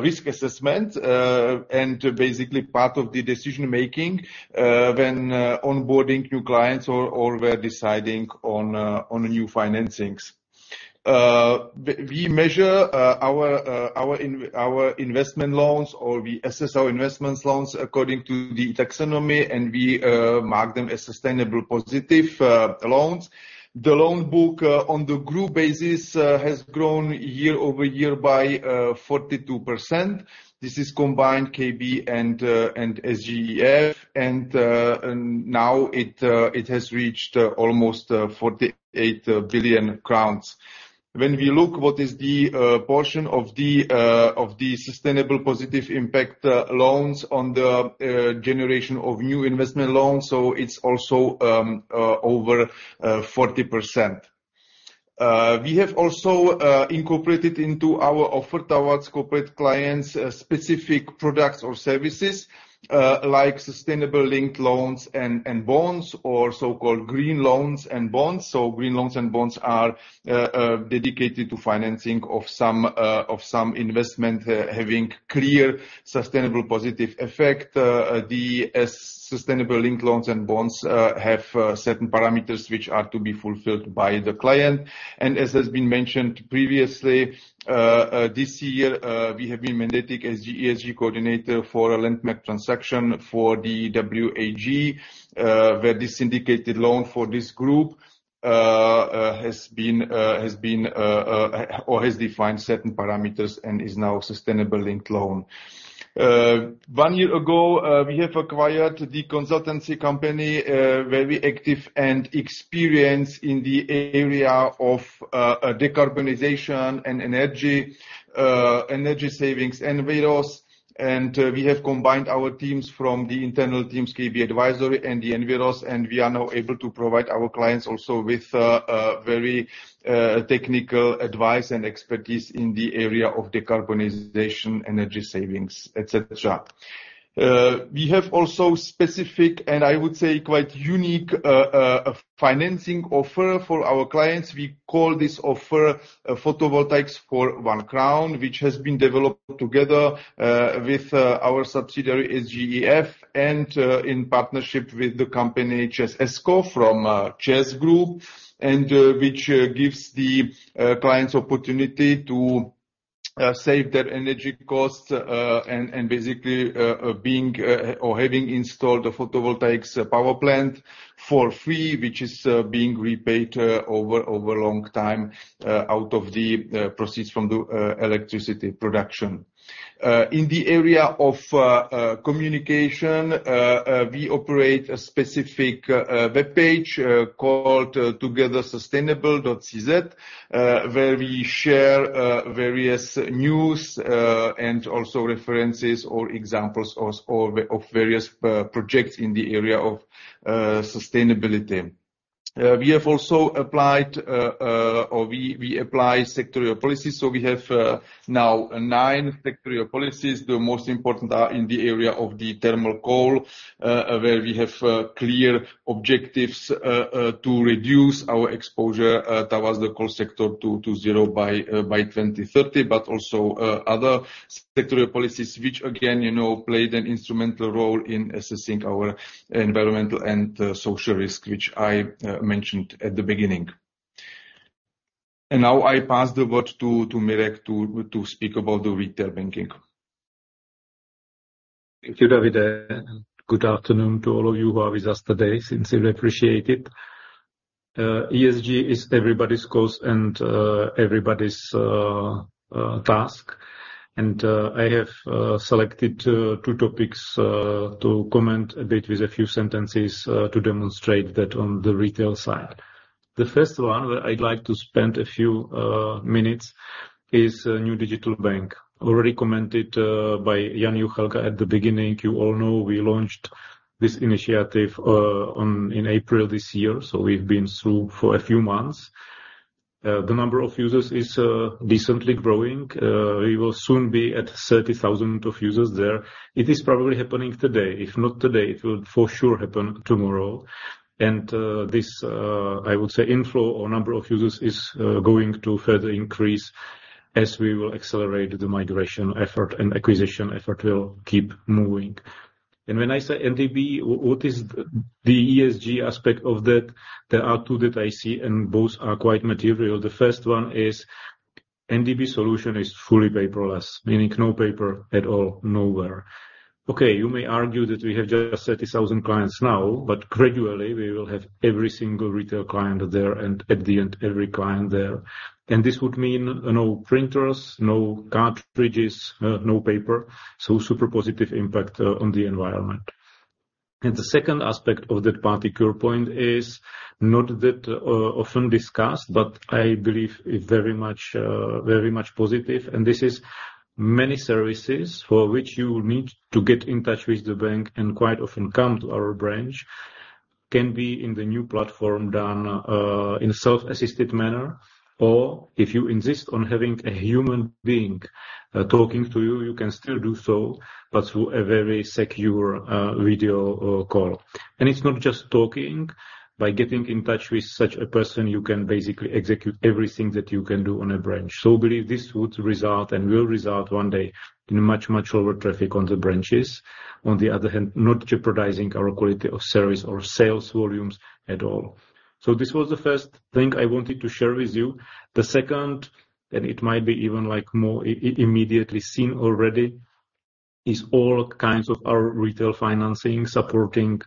risk assessment and basically part of the decision-making when onboarding new clients or we're deciding on new financings. We measure our investment loans, or we assess our investments loans according to the taxonomy, and we mark them as sustainable positive loans. The loan book on the group basis has grown year-over-year by 42%. This is combined KB and SGEF, and now it has reached almost 48 billion crowns. When we look what is the portion of the of the sustainable positive impact loans on the generation of new investment loans, so it's also over 40%. We have also incorporated into our offer towards corporate clients specific products or services like sustainable linked loans and bonds or so-called green loans and bonds. So green loans and bonds are dedicated to financing of some of some investment having clear, sustainable, positive effect. The sustainable linked loans and bonds have certain parameters which are to be fulfilled by the client. As has been mentioned previously, this year, we have been mandated as the ESG coordinator for a Landmark transaction for the WAG, where this syndicated loan for this group, has been, or has defined certain parameters and is now a sustainable linked loan. One year ago, we have acquired the consultancy company, very active and experienced in the area of decarbonization and energy, energy savings and we have combined our teams from the internal teams, KB Advisory and the ENVIROS, and we are now able to provide our clients also with, a very, technical advice and expertise in the area of decarbonization, energy savings, et cetera. We have also specific, and I would say, quite unique, financing offer for our clients. We call this offer Photovoltaics for 1 crown, which has been developed together with our subsidiary, SGEF, and in partnership with the company ČEZ ESCO from ČEZ Group, and which gives the clients opportunity to save their energy costs, and, and basically, being or having installed the photovoltaics power plant for free, which is being repaid over, over a long time out of the proceeds from the electricity production. In the area of communication, we operate a specific webpage called TogetherSustainable.cz, where we share various news and also references or examples of, of, of various projects in the area of sustainability. We have also applied or we, we apply sectorial policies. We have now nine sectorial policies. The most important are in the area of the thermal coal, where we have clear objectives to reduce our exposure towards the coal sector to zero by 2030, but also other sectorial policies, which again, you know, played an instrumental role in assessing our environmental and social risk, which I mentioned at the beginning. Now I pass the word to, to Miros to, to speak about the retail banking. Thank you, David. Good afternoon to all of you who are with us today. Sincerely appreciate it. ESG is everybody's cause and everybody's task. I have selected two topics to comment a bit with a few sentences to demonstrate that on the retail side. The first one, where I'd like to spend a few minutes is new digital bank, already commented by Jan Juchelka at the beginning. You all know we launched this initiative on, in April this year, so we've been through for a few months. The number of users is decently growing. We will soon be at 30,000 of users there. It is probably happening today. If not today, it will for sure happen tomorrow. This, I would say, inflow or number of users is going to further increase as we will accelerate the migration effort and acquisition effort will keep moving. When I say NDB, what is the ESG aspect of that? There are two that I see, and both are quite material. The first one is NDB solution is fully paperless, meaning no paper at all, nowhere. Okay, you may argue that we have just 30,000 clients now, but gradually we will have every single retail client there, and at the end, every client there. This would mean no printers, no cartridges, no paper, so super positive impact on the environment. The second aspect of that particular point is not that often discussed, but I believe is very much, very much positive. This is many services for which you will need to get in touch with the bank, and quite often come to our branch, can be in the new platform done in a self-assisted manner, or if you insist on having a human being talking to you, you can still do so, but through a very secure video call. It's not just talking. By getting in touch with such a person, you can basically execute everything that you can do on a branch. Believe this would result and will result one day in a much, much lower traffic on the branches. On the other hand, not jeopardizing our quality of service or sales volumes at all. This was the first thing I wanted to share with you. The second, and it might be even like more immediately seen already, is all kinds of our retail financing, supporting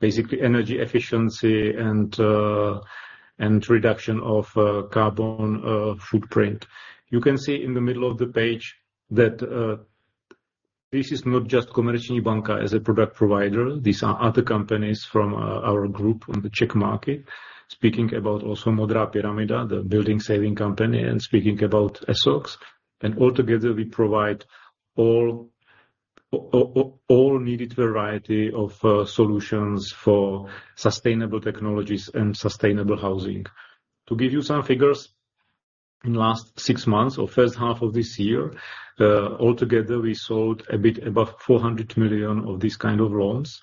basically energy efficiency and reduction of carbon footprint. You can see in the middle of the page that this is not just Komerční Banka as a product provider. These are other companies from our group on the Czech market. Speaking about also Modrá pyramida, the building saving company, and speaking about Essox. Altogether, we provide all needed variety of solutions for sustainable technologies and sustainable housing. To give you some figures, in last six months or first half of this year, altogether, we sold a bit above 400 million of these kind of loans.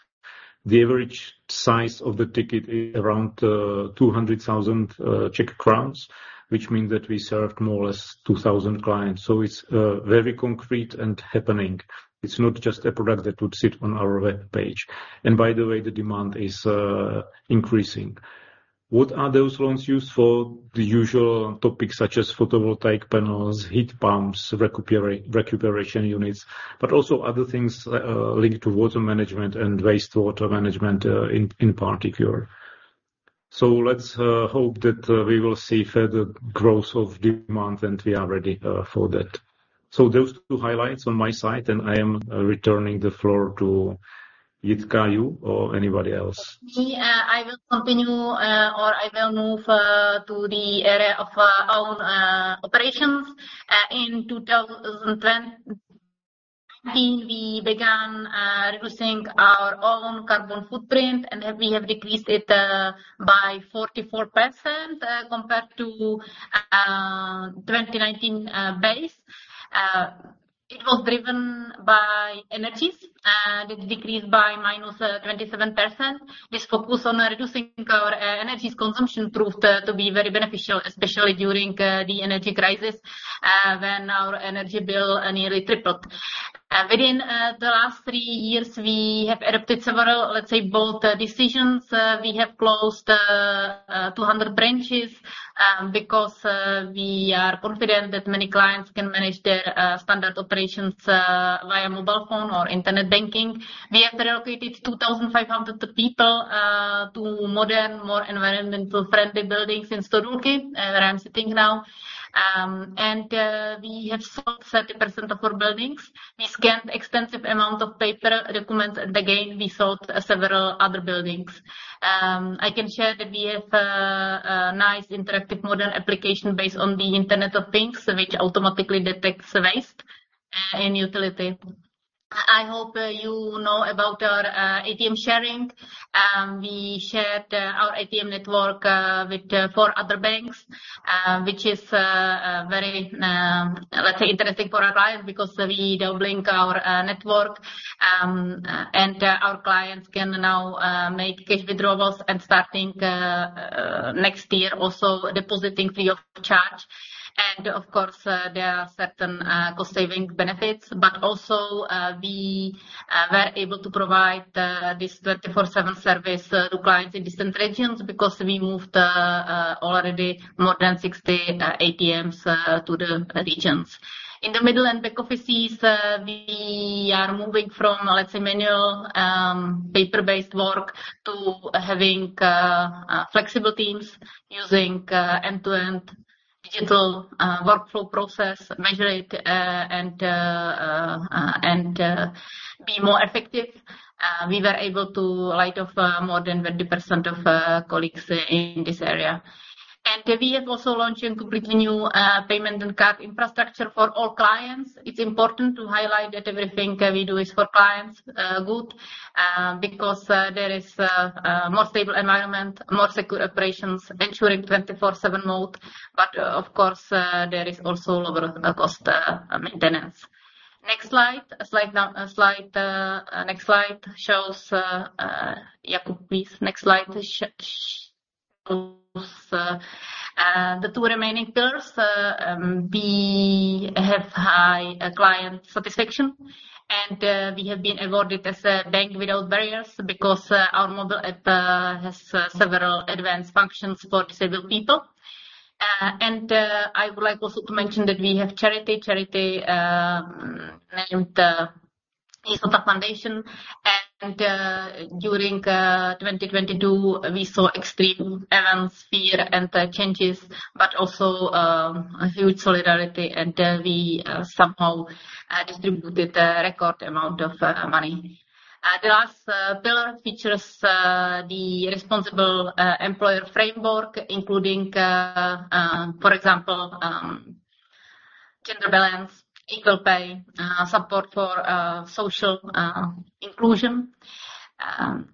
The average size of the ticket is around 200,000 Czech crowns, which means that we served more or less 2,000 clients. It's very concrete and happening. It's not just a product that would sit on our web page. By the way, the demand is increasing. What are those loans used for? The usual topics, such as photovoltaic panels, heat pumps, recuperation units, but also other things linked to water management and wastewater management in particular. Let's hope that we will see further growth of demand, and we are ready for that. Those two highlights on my side, and I am returning the floor to Jitka Hu or anybody else? Me, I will continue, or I will move to the area of our operations. In 2020, we began reducing our own carbon footprint, and we have decreased it by 44% compared to 2019 base. It was driven by energies, and it decreased by -27%. This focus on reducing our energies consumption proved to be very beneficial, especially during the energy crisis, when our energy bill nearly tripled. Within the last three years, we have adopted several, let's say, bold decisions. We have closed 200 branches because we are confident that many clients can manage their standard operations via mobile phone or internet banking. We have relocated 2,500 people to modern, more environmental-friendly buildings in Studenka, where I'm sitting now. We have sold 30% of our buildings. We scanned extensive amount of paper documents, and again, we sold several other buildings. I can share that we have a nice interactive modern application based on the Internet of Things, which automatically detects waste and utility. I, I hope, you know about our ATM sharing. We shared our ATM network with four other banks, which is a very, let's say, interesting for our clients because we double link our network. Our clients can now make cash withdrawals, and starting next year, also depositing free of charge. Of course, there are certain cost-saving benefits, but also, we were able to provide this 24/7 service to clients in distant regions because we moved already more than 60 ATMs to the regions. In the middle and back offices, we are moving from, let's say, manual, paper-based work to having flexible teams using end-to-end digital workflow process, measure it, and and be more effective. We were able to lay off more than 20% of colleagues in this area. We have also launched a completely new payment and card infrastructure for all clients. It's important to highlight that everything we do is for clients, good, because there is a more stable environment, more secure operations, ensuring 24/7 mode. Of course, there is also lower cost maintenance. Next slide. A slide down, a slide, next slide shows, Jakub, please. Next slide shows the two remaining pillars. We have high client satisfaction, and we have been awarded as a Bank Without Barriers because our mobile app has several advanced functions for disabled people. I would like also to mention that we have charity, charity, named Jistota Foundation. During 2022, we saw extreme events, fear, and changes, but also a huge solidarity, and we somehow distributed a record amount of money. The last pillar features the responsible employer framework, including, for example, gender balance, equal pay, support for social inclusion.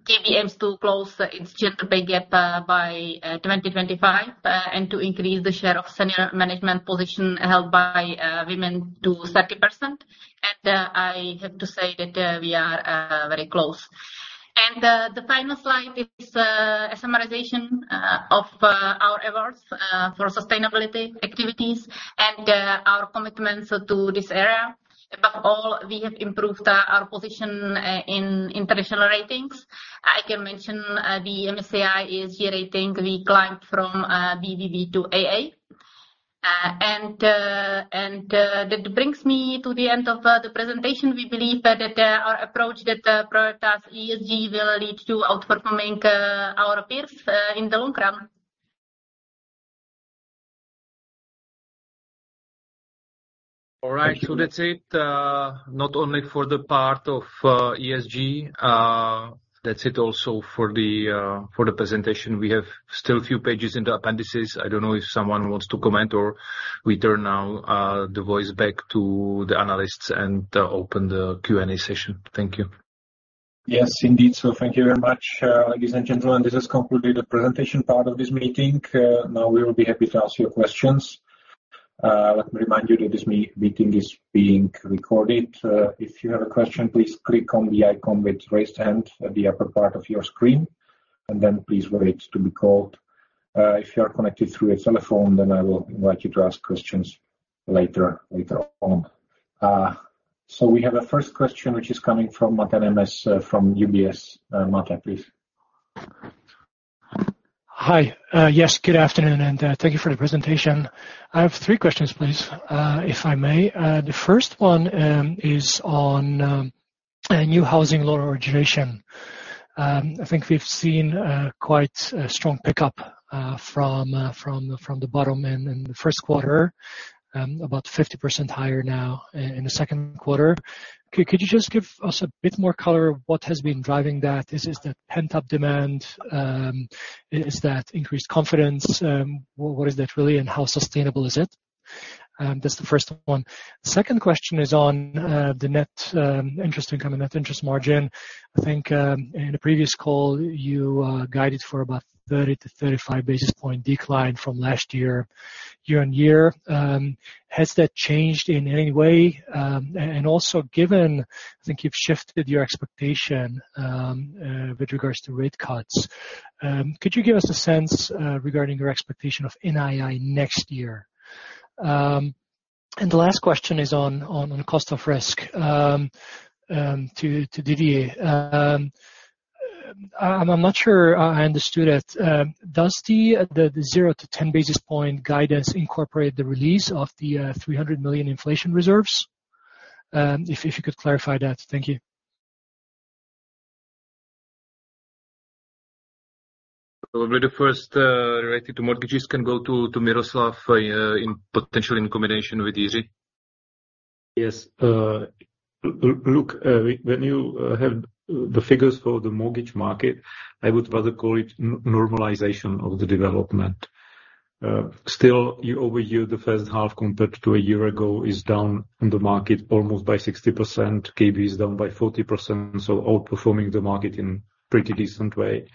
KBM is to close its gender pay gap by 2025 and to increase the share of senior management position held by women to 30%. I have to say that we are very close. The final slide is a summarization of our awards for sustainability activities and our commitments to this area. Above all, we have improved our position in international ratings. I can mention the MSCI ESG rating, we climbed from BBB to AA. That brings me to the end of the presentation. We believe that our approach that prioritizes ESG will lead to outperforming our peers in the long run. All right. That's it, not only for the part of ESG, that's it also for the for the presentation. We have still a few pages in the appendices. I don't know if someone wants to comment, or we turn now the voice back to the analysts and open the Q&A session. Thank you. Yes, indeed. Thank you very much, ladies and gentlemen. This has concluded the presentation part of this meeting. Now we will be happy to answer your questions. Let me remind you that this meeting is being recorded. If you have a question, please click on the icon with raised hand at the upper part of your screen, and then please wait to be called. If you are connected through a telephone, then I will invite you to ask questions later, later on. We have a first question, which is coming from Máté Nemes from UBS. Máté, please. Hi. Yes, good afternoon, and thank you for the presentation. I have three questions, please, if I may. The first one is on a new housing loan origination.... I think we've seen quite a strong pickup from, from, from the bottom end in the first quarter, about 50% higher now in the second quarter. Could, could you just give us a bit more color what has been driving that? Is this the pent-up demand? Is that increased confidence? What is that really, and how sustainable is it? That's the first one. Second question is on the net interest income, net interest margin. I think, in the previous call, you guided for about 30-35 basis point decline from last year, year-on-year. Has that changed in any way? Also, given, I think you've shifted your expectation with regards to rate cuts. Could you give us a sense regarding your expectation of NII next year? The last question is on cost of risk to Didier. I'm not sure I understood it. Does the 0-10 basis points guidance incorporate the release of the 300 million inflation reserves? If you could clarify that. Thank you. Probably the first, related to mortgages can go to, to Miroslav, in potential in combination with Jiří. Yes, look, when you have the figures for the mortgage market, I would rather call it normalization of the development. Still, year-over-year, the first half compared to a year ago is down in the market, almost by 60%. KB is down by 40%, so outperforming the market in pretty decent way.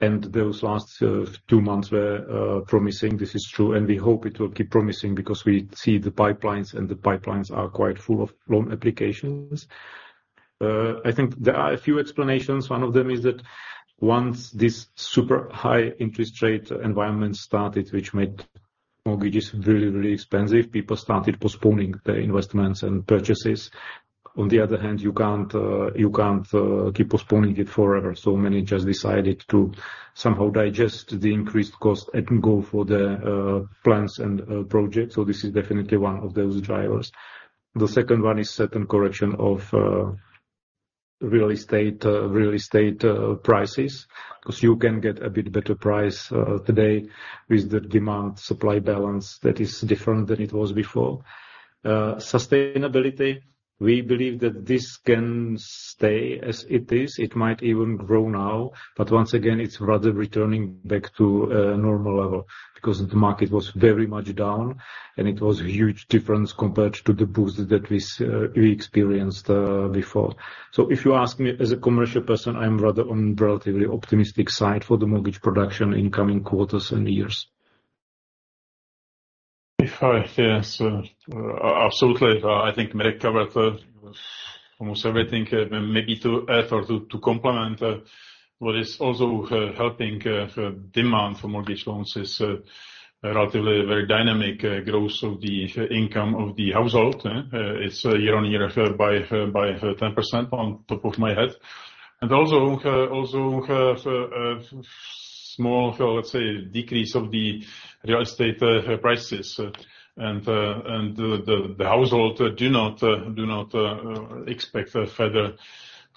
Those last two months were promising. This is true, and we hope it will keep promising because we see the pipelines, and the pipelines are quite full of loan applications. I think there are a few explanations. One of them is that once this super high interest rate environment started, which made mortgages really, really expensive, people started postponing their investments and purchases. On the other hand, you can't, you can't, keep postponing it forever, so many just decided to somehow digest the increased cost and go for the plans and projects. This is definitely one of those drivers. The second one is certain correction of real estate, real estate, prices, because you can get a bit better price today with the demand-supply balance that is different than it was before. Sustainability, we believe that this can stay as it is. It might even grow now, but once again, it's rather returning back to a normal level because the market was very much down, and it was huge difference compared to the boosts that we experienced before. If you ask me as a commercial person, I'm rather on relatively optimistic side for the mortgage production in coming quarters and years. If I... Yes, absolutely. I think Mirek covered almost everything. Maybe to add or to complement what is also helping demand for mortgage loans is relatively very dynamic growth of the income of the household. It's year-over-year by 10% on top of my head. Also, also, small, let's say, decrease of the real estate prices. The household do not do not expect a further,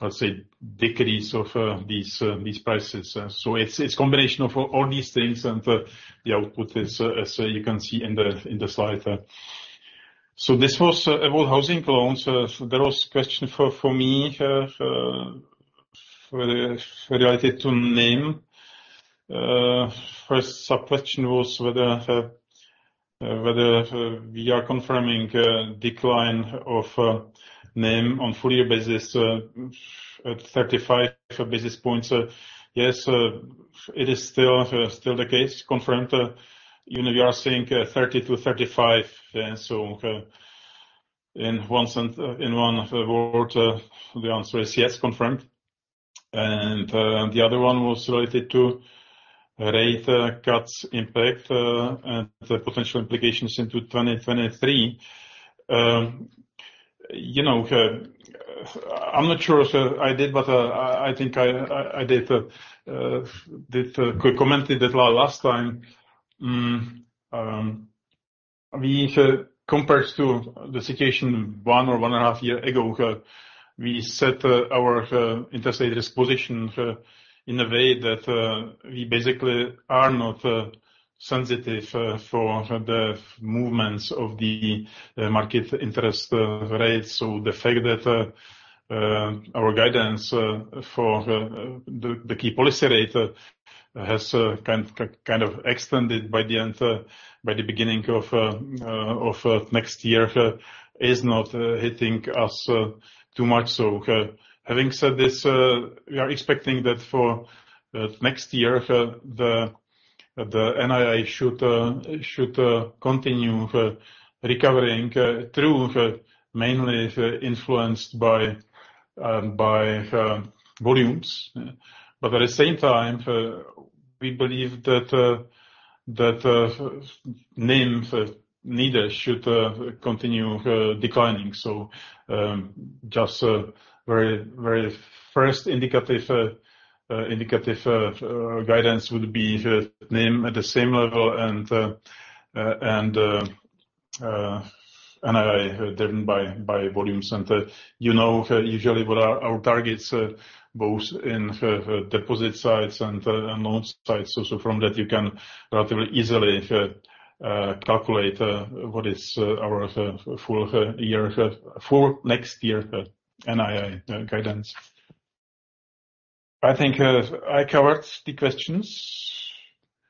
let's say, decrease of these prices. It's, it's combination of all these things, and the output is as you can see in the slide. This was about housing loans. There was question for me related to NIM. First sub-question was whether whether we are confirming decline of NIM on full year basis at 35 basis points. Yes, it is still still the case, confirmed. You know, we are seeing 30 to 35 basis points, so in one sent- in one word, the answer is yes, confirmed. The other one was related to rate cuts impact and the potential implications into 2023. You know, I'm not sure if I did, but I, I think I, I, I did did commented it last time. We compared to the situation one or 1.5 year ago, we set our interest rates position in a way that we basically are not sensitive for the movements of the market interest rates. The fact that our guidance for the key policy rate has kind of extended by the end by the beginning of next year is not hitting us too much so. Having said this, we are expecting that for next year, the NII should continue recovering through mainly influenced by volumes. At the same time, we believe that NIM neither should continue declining. Just a very first indicative guidance would be NIM at the same level, and.... and I, driven by, by volume center. You know, usually what are our targets, both in, deposit sides and loan sides. From that, you can relatively easily calculate what is our full year for next year NII guidance. I think I covered the questions.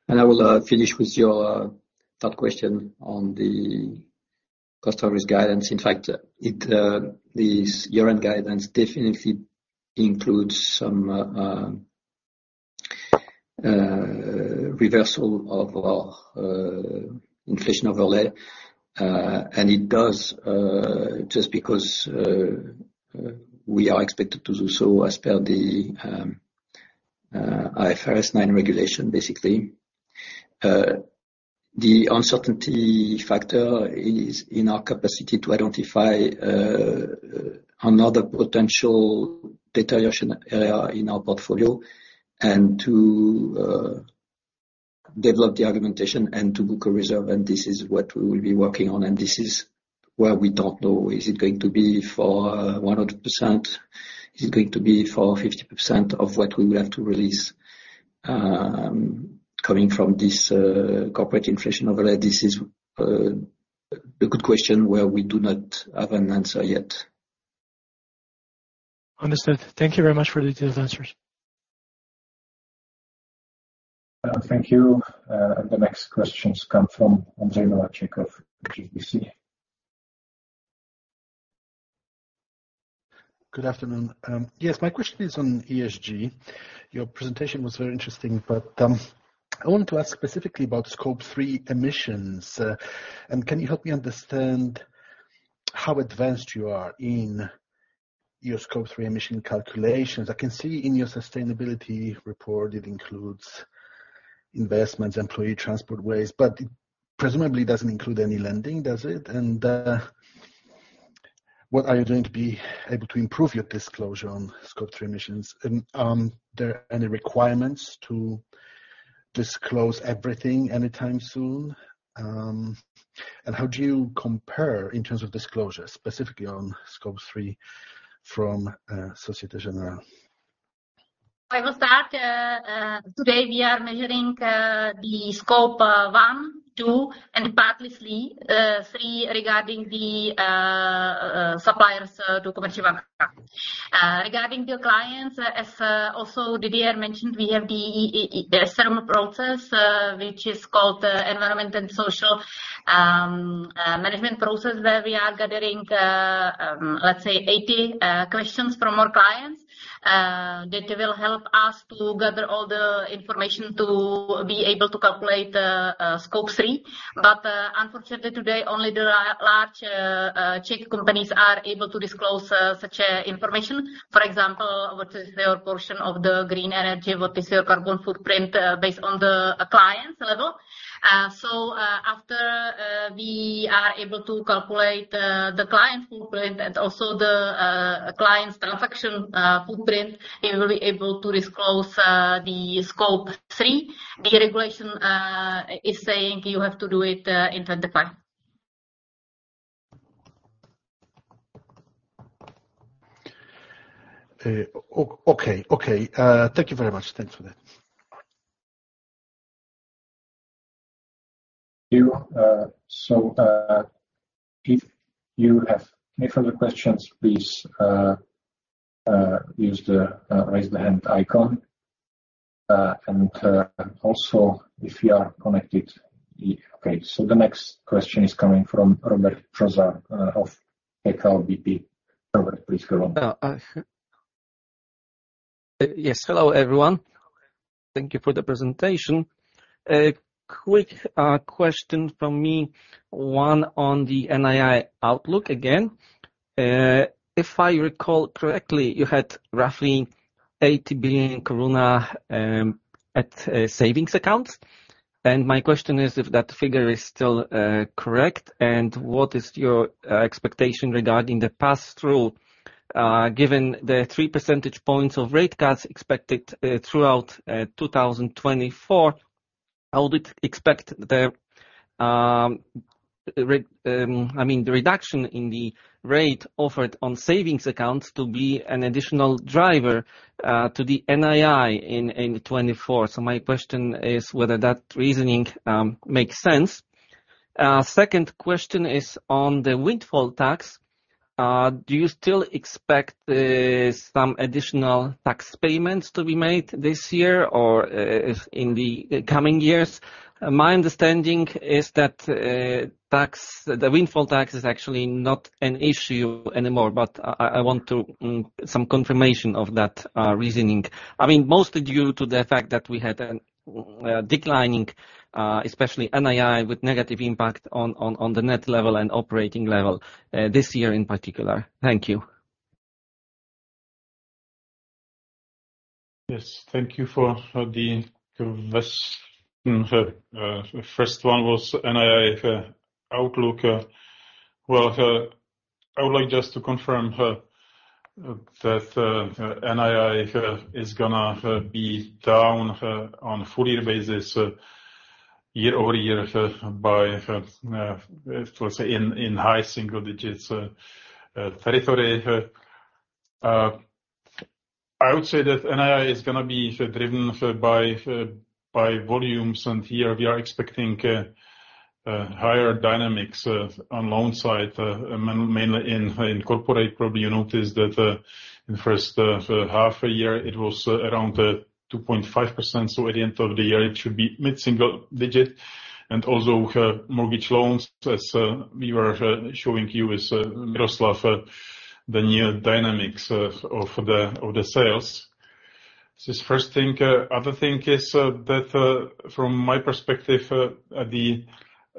I will finish with your third question on the cost risk guidance. In fact, it, this year-end guidance definitely includes some reversal of our inflation overlay. It does just because we are expected to do so as per the IFRS 9 regulation, basically. The uncertainty factor is in our capacity to identify another potential deterioration area in our portfolio and to develop the argumentation and to book a reserve, and this is what we will be working on, and this is where we don't know, is it going to be for 100%? Is it going to be for 50% of what we will have to release coming from this corporate inflation overlay? This is a good question where we do not have an answer yet. Understood. Thank you very much for the detailed answers. Thank you. The next questions come from Andrei Novachekov of GBC. Good afternoon. Yes, my question is on ESG. Your presentation was very interesting, but I want to ask specifically about Scope 3 emissions. Can you help me understand how advanced you are in your Scope 3 emission calculations? I can see in your sustainability report, it includes investments, employee transport ways, but it presumably doesn't include any lending, does it? What are you doing to be able to improve your disclosure on Scope 3 emissions? There are any requirements to disclose everything anytime soon? How do you compare in terms of disclosure, specifically on Scope 3 Société Générale? I will start. Today, we are measuring the scope one, two, and partly three, regarding the suppliers to Komerční Banka. Regarding your clients, as also Didier mentioned, we have the external process, which is called the Environmental and Social Management Process, where we are gathering, let's say, 80 questions from our clients that will help us to gather all the information to be able to calculate Scope 3. Unfortunately, today, only the large Czech companies are able to disclose such information. For example, what is their portion of the green energy? What is your carbon footprint based on the client's level? After, we are able to calculate, the client footprint and also the, client's transaction, footprint, we will be able to disclose, the scope three. The regulation, is saying you have to do it, in 25. o-okay, okay. Thank you very much. Thanks for that. You... So, if you have any further questions, please, use the raise the hand icon, and also, if you are connected, Okay. The next question is coming from Robert Prazak, of KKBP. Robert, please go on. Yes. Hello, everyone. Thank you for the presentation. A quick question from me, one on the NII outlook again. If I recall correctly, you had roughly 80 billion at savings accounts. My question is, if that figure is still correct, and what is your expectation regarding the pass-through, given the 3 percentage points of rate cuts expected throughout 2024, I would expect the re, I mean the reduction in the rate offered on savings accounts to be an additional driver to the NII in 2024. So my question is whether that reasoning makes sense. Second question is on the windfall tax. Do you still expect some additional tax payments to be made this year or in the coming years? My understanding is that tax, the windfall tax is actually not an issue anymore, but I, I, want to some confirmation of that reasoning. I mean, mostly due to the fact that we had an, declining, especially NII, with negative impact on, on, on the net level and operating level, this year in particular. Thank you. Yes, thank you for the question. The first one was NII, outlook. Well, I would like just to confirm that NII is gonna be down on a full year basis, year-over-year, by let's say in high single digits territory. I would say that NII is gonna be driven by volumes, and here we are expecting higher dynamics on loan side, mainly in corporate. Probably, you noticed that in the first half a year, it was around 2.5%, so at the end of the year, it should be mid-single digit. Also, mortgage loans, as we were showing you with Miroslav Hyršl, the new dynamics of the sales. This first thing, other thing is, that, from my perspective,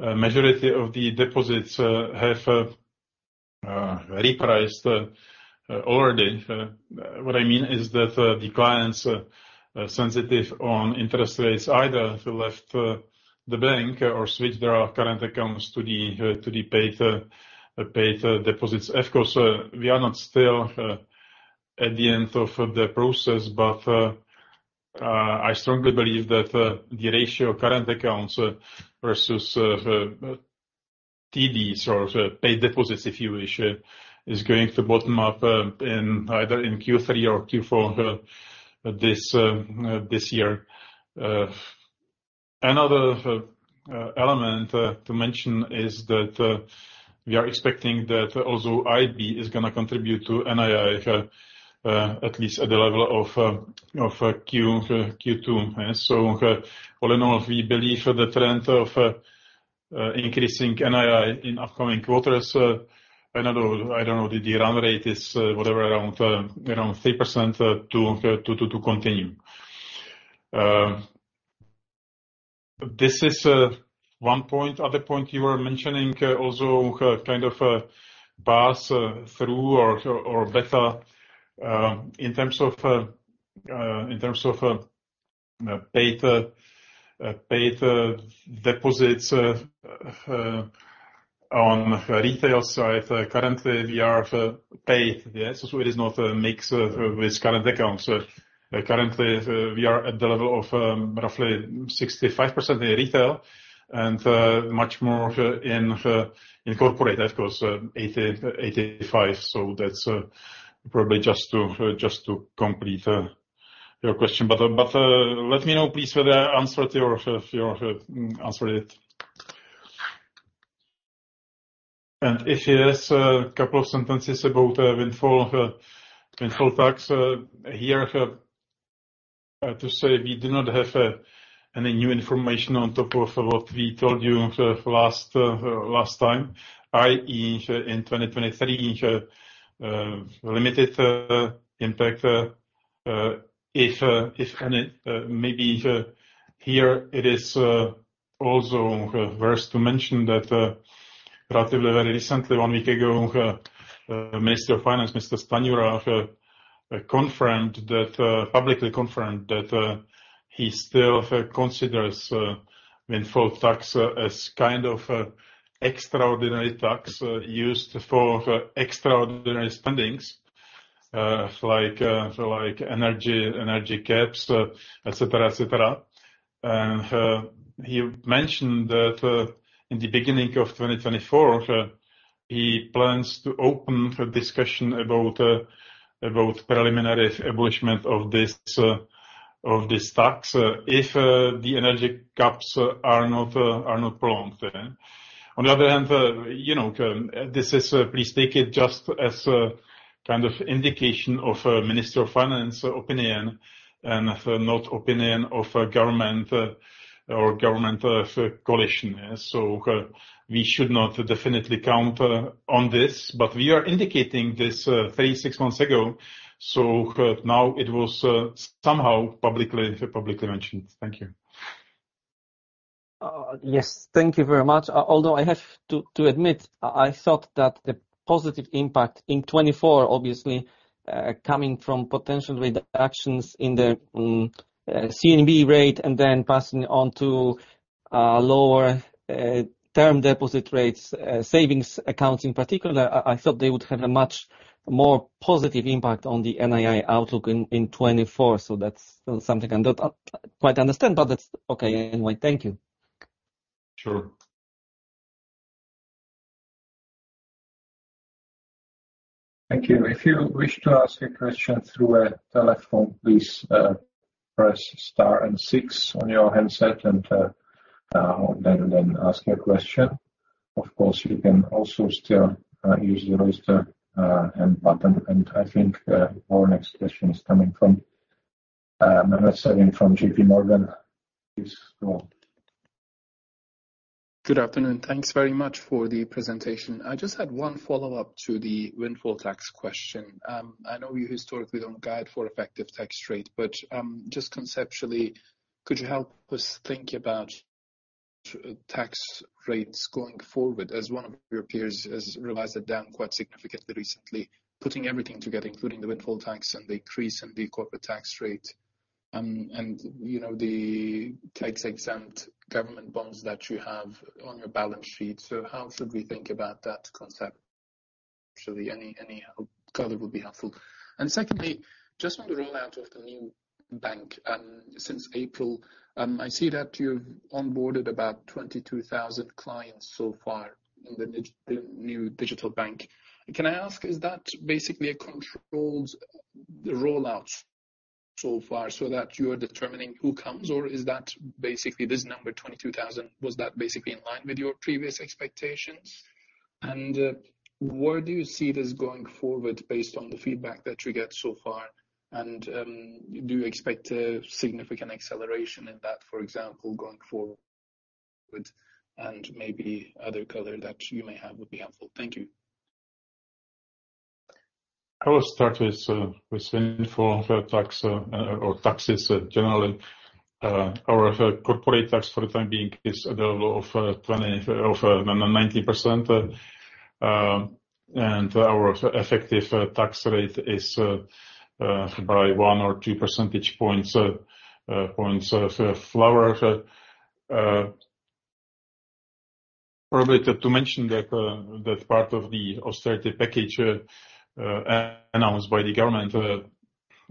the, majority of the deposits, have, repriced, already. What I mean is that, the clients, sensitive on interest rates, either left, the bank or switched their current accounts to the, to the paid, paid, deposits. Of course, we are not still, at the end of the process, but, I strongly believe that, the ratio of current accounts versus, TDs or paid deposits, if you wish, is going to bottom up, in either in Q3 or Q4, this, this year. Another, element, to mention is that, we are expecting that also IB is gonna contribute to NII, at least at the level of, of, Q2. All in all, we believe the trend of increasing NII in upcoming quarters, I don't know, I don't know, the run rate is, whatever, around around 3% to to to to continue. This is 1 point. Other point you were mentioning also kind of pass through or or better in terms of in terms of paid paid deposits on retail side. Currently, we are paid, yes, so it is not a mix with current accounts. Currently, we are at the level of roughly 65% in retail and much more in corporate, of course, 80%-85%. That's probably just to just to complete your question. Let me know, please, whether I answered it. If yes, a couple of sentences about windfall tax. Here to say we do not have any new information on top of what we told you last time, i.e., in 2023, limited impact, if any. Maybe here it is also worth to mention that relatively very recently, one week ago, Minister of Finance, Mr. Stanjura, confirmed that publicly confirmed that he still considers windfall tax as kind of a extraordinary tax, used for extraordinary spendings, like energy, energy caps, et cetera, et cetera. He mentioned that in the beginning of 2024, he plans to open a discussion about about preliminary establishment of this of this tax, if the energy caps are not are not prolonged. On the other hand, you know, this is please take it just as a kind of indication of Minister of Finance opinion and not opinion of government or government coalition. We should not definitely count on this, but we are indicating this three, six months ago, now it was somehow publicly, publicly mentioned. Thank you. Yes, thank you very much. I have to, to admit, I, I thought that the positive impact in 2024, obviously, coming from potential reductions in the CNB rate and then passing on to lower term deposit rates, savings accounts in particular, I, I thought they would have a much more positive impact on the NII outlook in 2024. That's something I not quite understand, but that's okay anyway. Thank you. Sure. Thank you. If you wish to ask a question through a telephone, please, press star and six on your handset, and then ask your question. Of course, you can also still, use the raiser, and button, and I think, our next question is coming from, Marcelin from JPMorgan. Please go on. Good afternoon. Thanks very much for the presentation. I just had one follow-up to the windfall tax question. I know you historically don't guide for effective tax rate, but just conceptually, could you help us think about tax rates going forward, as one of your peers has revised it down quite significantly recently, putting everything together, including the windfall tax and the increase in the corporate tax rate? You know, the tax-exempt government bonds that you have on your balance sheet. So how should we think about that concept? Actually, any, any color would be helpful. Secondly, just on the rollout of the new bank, since April, I see that you've onboarded about 22,000 clients so far in the new digital bank. Can I ask, is that basically a controlled rollout so far so that you are determining who comes? Or is that basically this number, 22,000, was that basically in line with your previous expectations? Where do you see this going forward based on the feedback that you get so far? Do you expect a significant acceleration in that, for example, going forward, and maybe other color that you may have would be helpful? Thank you. I will start with info for tax or taxes generally. Our corporate tax, for the time being, is the law of 20%, of 90%. Our effective tax rate is by 1 or 2 percentage points lower. Probably to mention that that part of the austerity package announced by the government,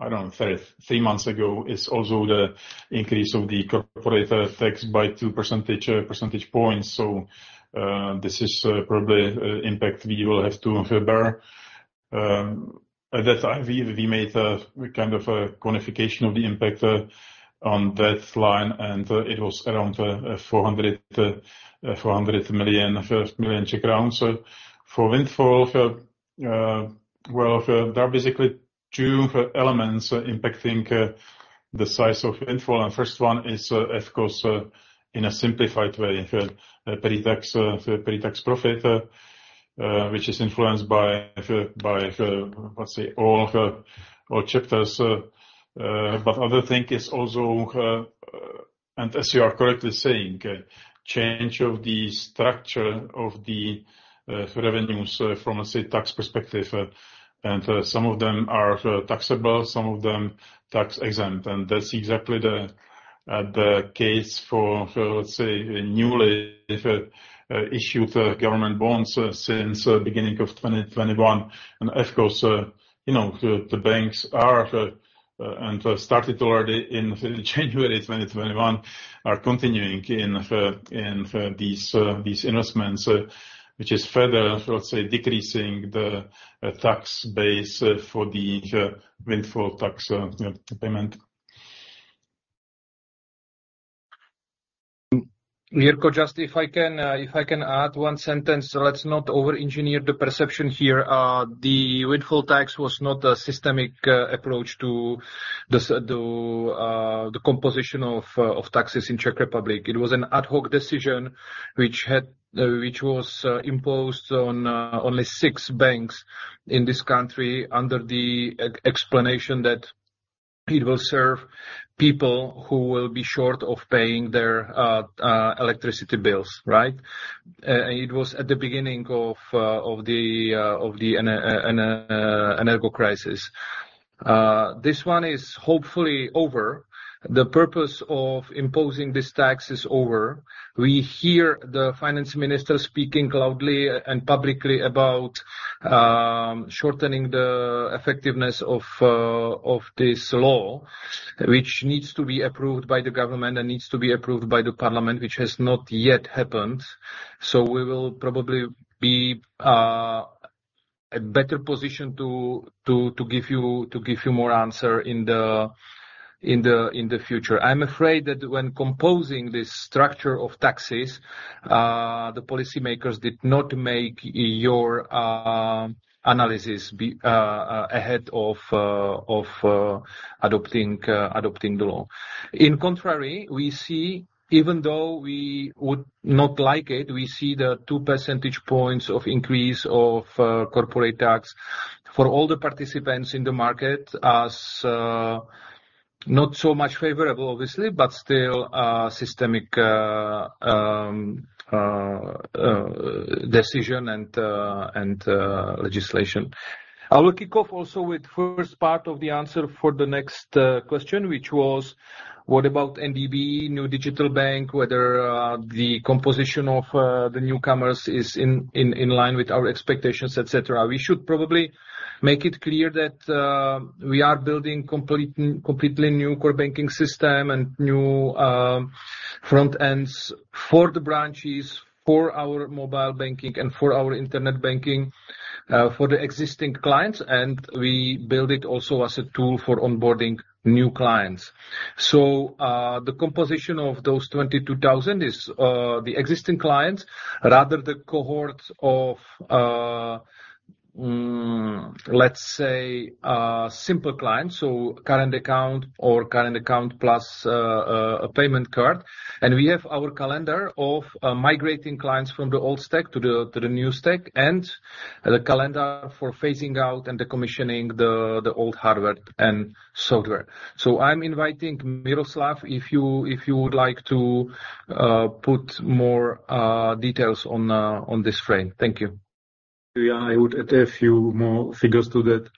I don't know, three months ago, is also the increase of the corporate tax by 2 percentage points. This is probably impact we will have to bear. At that time, we made a kind of a quantification of the impact on that line, and it was around 400 million. For windfall, well, there are basically two elements impacting the size of windfall, and first one is, of course, in a simplified way, in pre-tax pre-tax profit, which is influenced by, by, let's say, all the, all chapters. Other thing is also, and as you are correctly saying, change of the structure of the revenues from, say, tax perspective, and some of them are taxable, some of them tax-exempt. That's exactly the case for, for, let's say, a newly issued government bonds, since beginning of 2021. Of course, you know, the, the banks are, and started already in January 2021, are continuing in, in, these, these investments, which is further, let's say, decreasing the, tax base, for the, windfall tax, payment. Jiří, just if I can, if I can add one sentence, let's not over-engineer the perception here. The windfall tax was not a systemic approach to the composition of taxes in Czech Republic. It was an ad hoc decision, which was imposed on only six banks in this country, under the explanation that it will serve people who will be short of paying their electricity bills, right? It was at the beginning of the energy crisis. This one is hopefully over. The purpose of imposing this tax is over. We hear the finance minister speaking loudly and publicly about shortening the effectiveness of this law, which needs to be approved by the government and needs to be approved by the parliament, which has not yet happened. We will probably be a better position to, to, to give you, to give you more answer in the, in the, in the future. I'm afraid that when composing this structure of taxes, the policymakers did not make your analysis be ahead of adopting adopting the law. In contrary, we see even though we would not like it, we see the 2 percentage points of increase of corporate tax for all the participants in the market as not so much favorable, obviously, but still, systemic decision and legislation. I will kick off also with first part of the answer for the next question, which was: What about NDB, New Digital Bank, whether the composition of the newcomers is in, in, in line with our expectations, et cetera. We should probably make it clear that we are building completely new core banking system and new front ends for the branches, for our mobile banking and for our internet banking, for the existing clients, and we build it also as a tool for onboarding new clients. The composition of those 22,000 is the existing clients, rather the cohorts of, let's say, simple clients, so current account or current account plus a payment card. We have our calendar of migrating clients from the old stack to the new stack, and the calendar for phasing out and decommissioning the old hardware and software. I'm inviting Miroslav, if you, if you would like to put more details on this frame. Thank you. Yeah, I would add a few more figures to that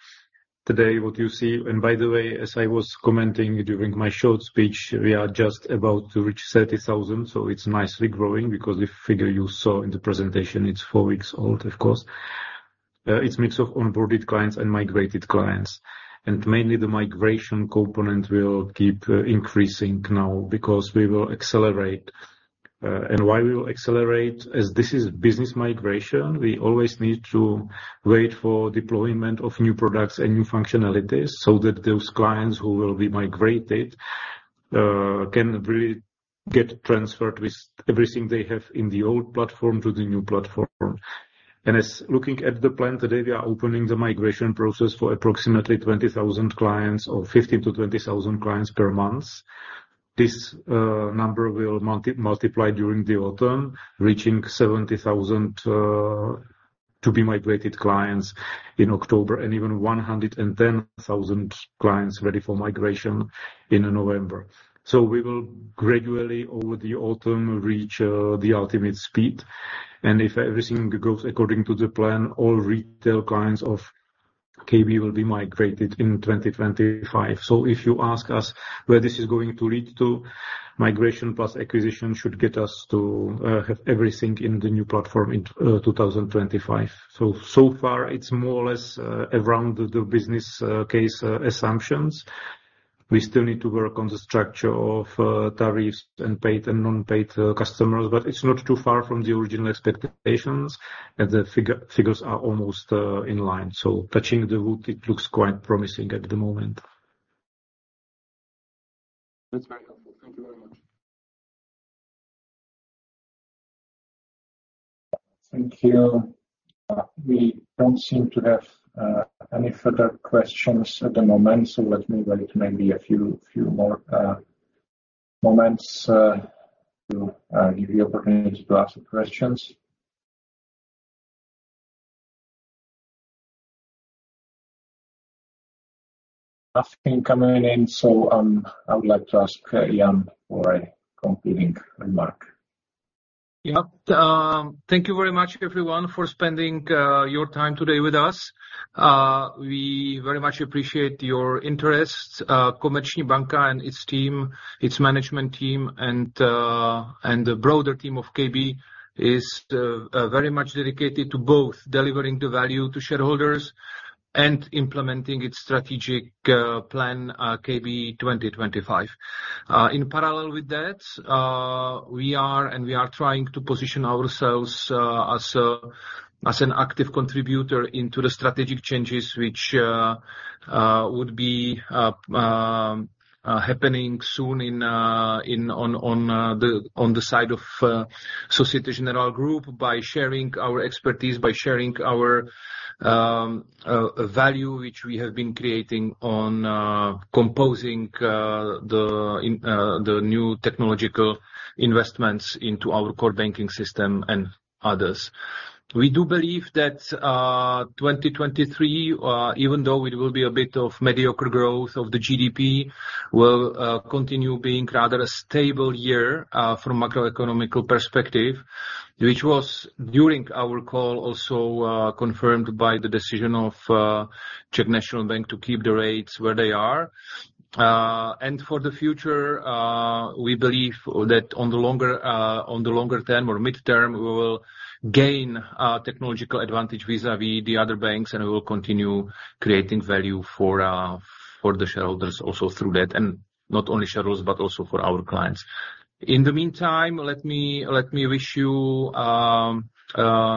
today, what you see. By the way, as I was commenting during my short speech, we are just about to reach 30,000, so it's nicely growing because the figure you saw in the presentation, it's four weeks old, of course. It's a mix of onboarded clients and migrated clients, and mainly the migration component will keep increasing now because we will accelerate. And why we will accelerate? As this is business migration, we always need to wait for deployment of new products and new functionalities so that those clients who will be migrated, can really get transferred with everything they have in the old platform to the new platform. As looking at the plan today, we are opening the migration process for approximately 20,000 clients or 15,000-20,000 clients per month. This number will multi-multiply during the autumn, reaching 70,000 to be migrated clients in October, and even 110,000 clients ready for migration in November. We will gradually, over the autumn, reach the ultimate speed, and if everything goes according to the plan, all retail clients of KB will be migrated in 2025. If you ask us where this is going to lead to, migration plus acquisition should get us to have everything in the new platform in 2025. So far, it's more or less around the business case assumptions. We still need to work on the structure of tariffs and paid and non-paid customers, but it's not too far from the original expectations, and the figures are almost in line. Touching the wood, it looks quite promising at the moment. That's very helpful. Thank you very much. Thank you. We don't seem to have any further questions at the moment. Let me wait maybe a few, few more moments to give you opportunity to ask questions. Nothing coming in. I would like to ask Jan for a concluding remark. Yeah. Thank you very much, everyone, for spending your time today with us. We very much appreciate your interest. Komerční Banka and its team, its management team, and the broader team of KB is very much dedicated to both delivering the value to shareholders and implementing its strategic plan, KB 2025. In parallel with that, we are, and we are trying to position ourselves as an active contributor into the strategic changes which would be happening soon in, on the side of Société Générale Group by sharing our expertise, by sharing our value, which we have been creating on composing the new technological investments into our core banking system and others. We do believe that, 2023, even though it will be a bit of mediocre growth of the GDP, will continue being rather a stable year, from macroeconomic perspective, which was during our call, also confirmed by the decision of Czech National Bank to keep the rates where they are. For the future, we believe that on the longer, on the longer term or midterm, we will gain technological advantage vis-a-vis the other banks, and we will continue creating value for for the shareholders also through that, and not only shareholders, but also for our clients. In the meantime, let me, let me wish you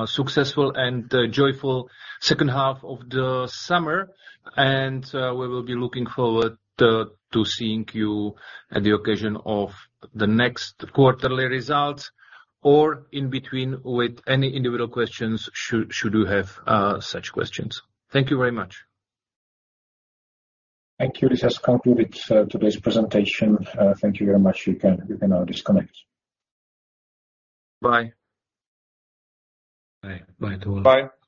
successful and joyful second half of the summer, and we will be looking forward to seeing you at the occasion of the next quarterly results or in between with any individual questions, should, should you have such questions. Thank you very much. Thank you. This has concluded today's presentation. Thank you very much. You can, you can now disconnect. Bye. Bye. Bye to all. Bye.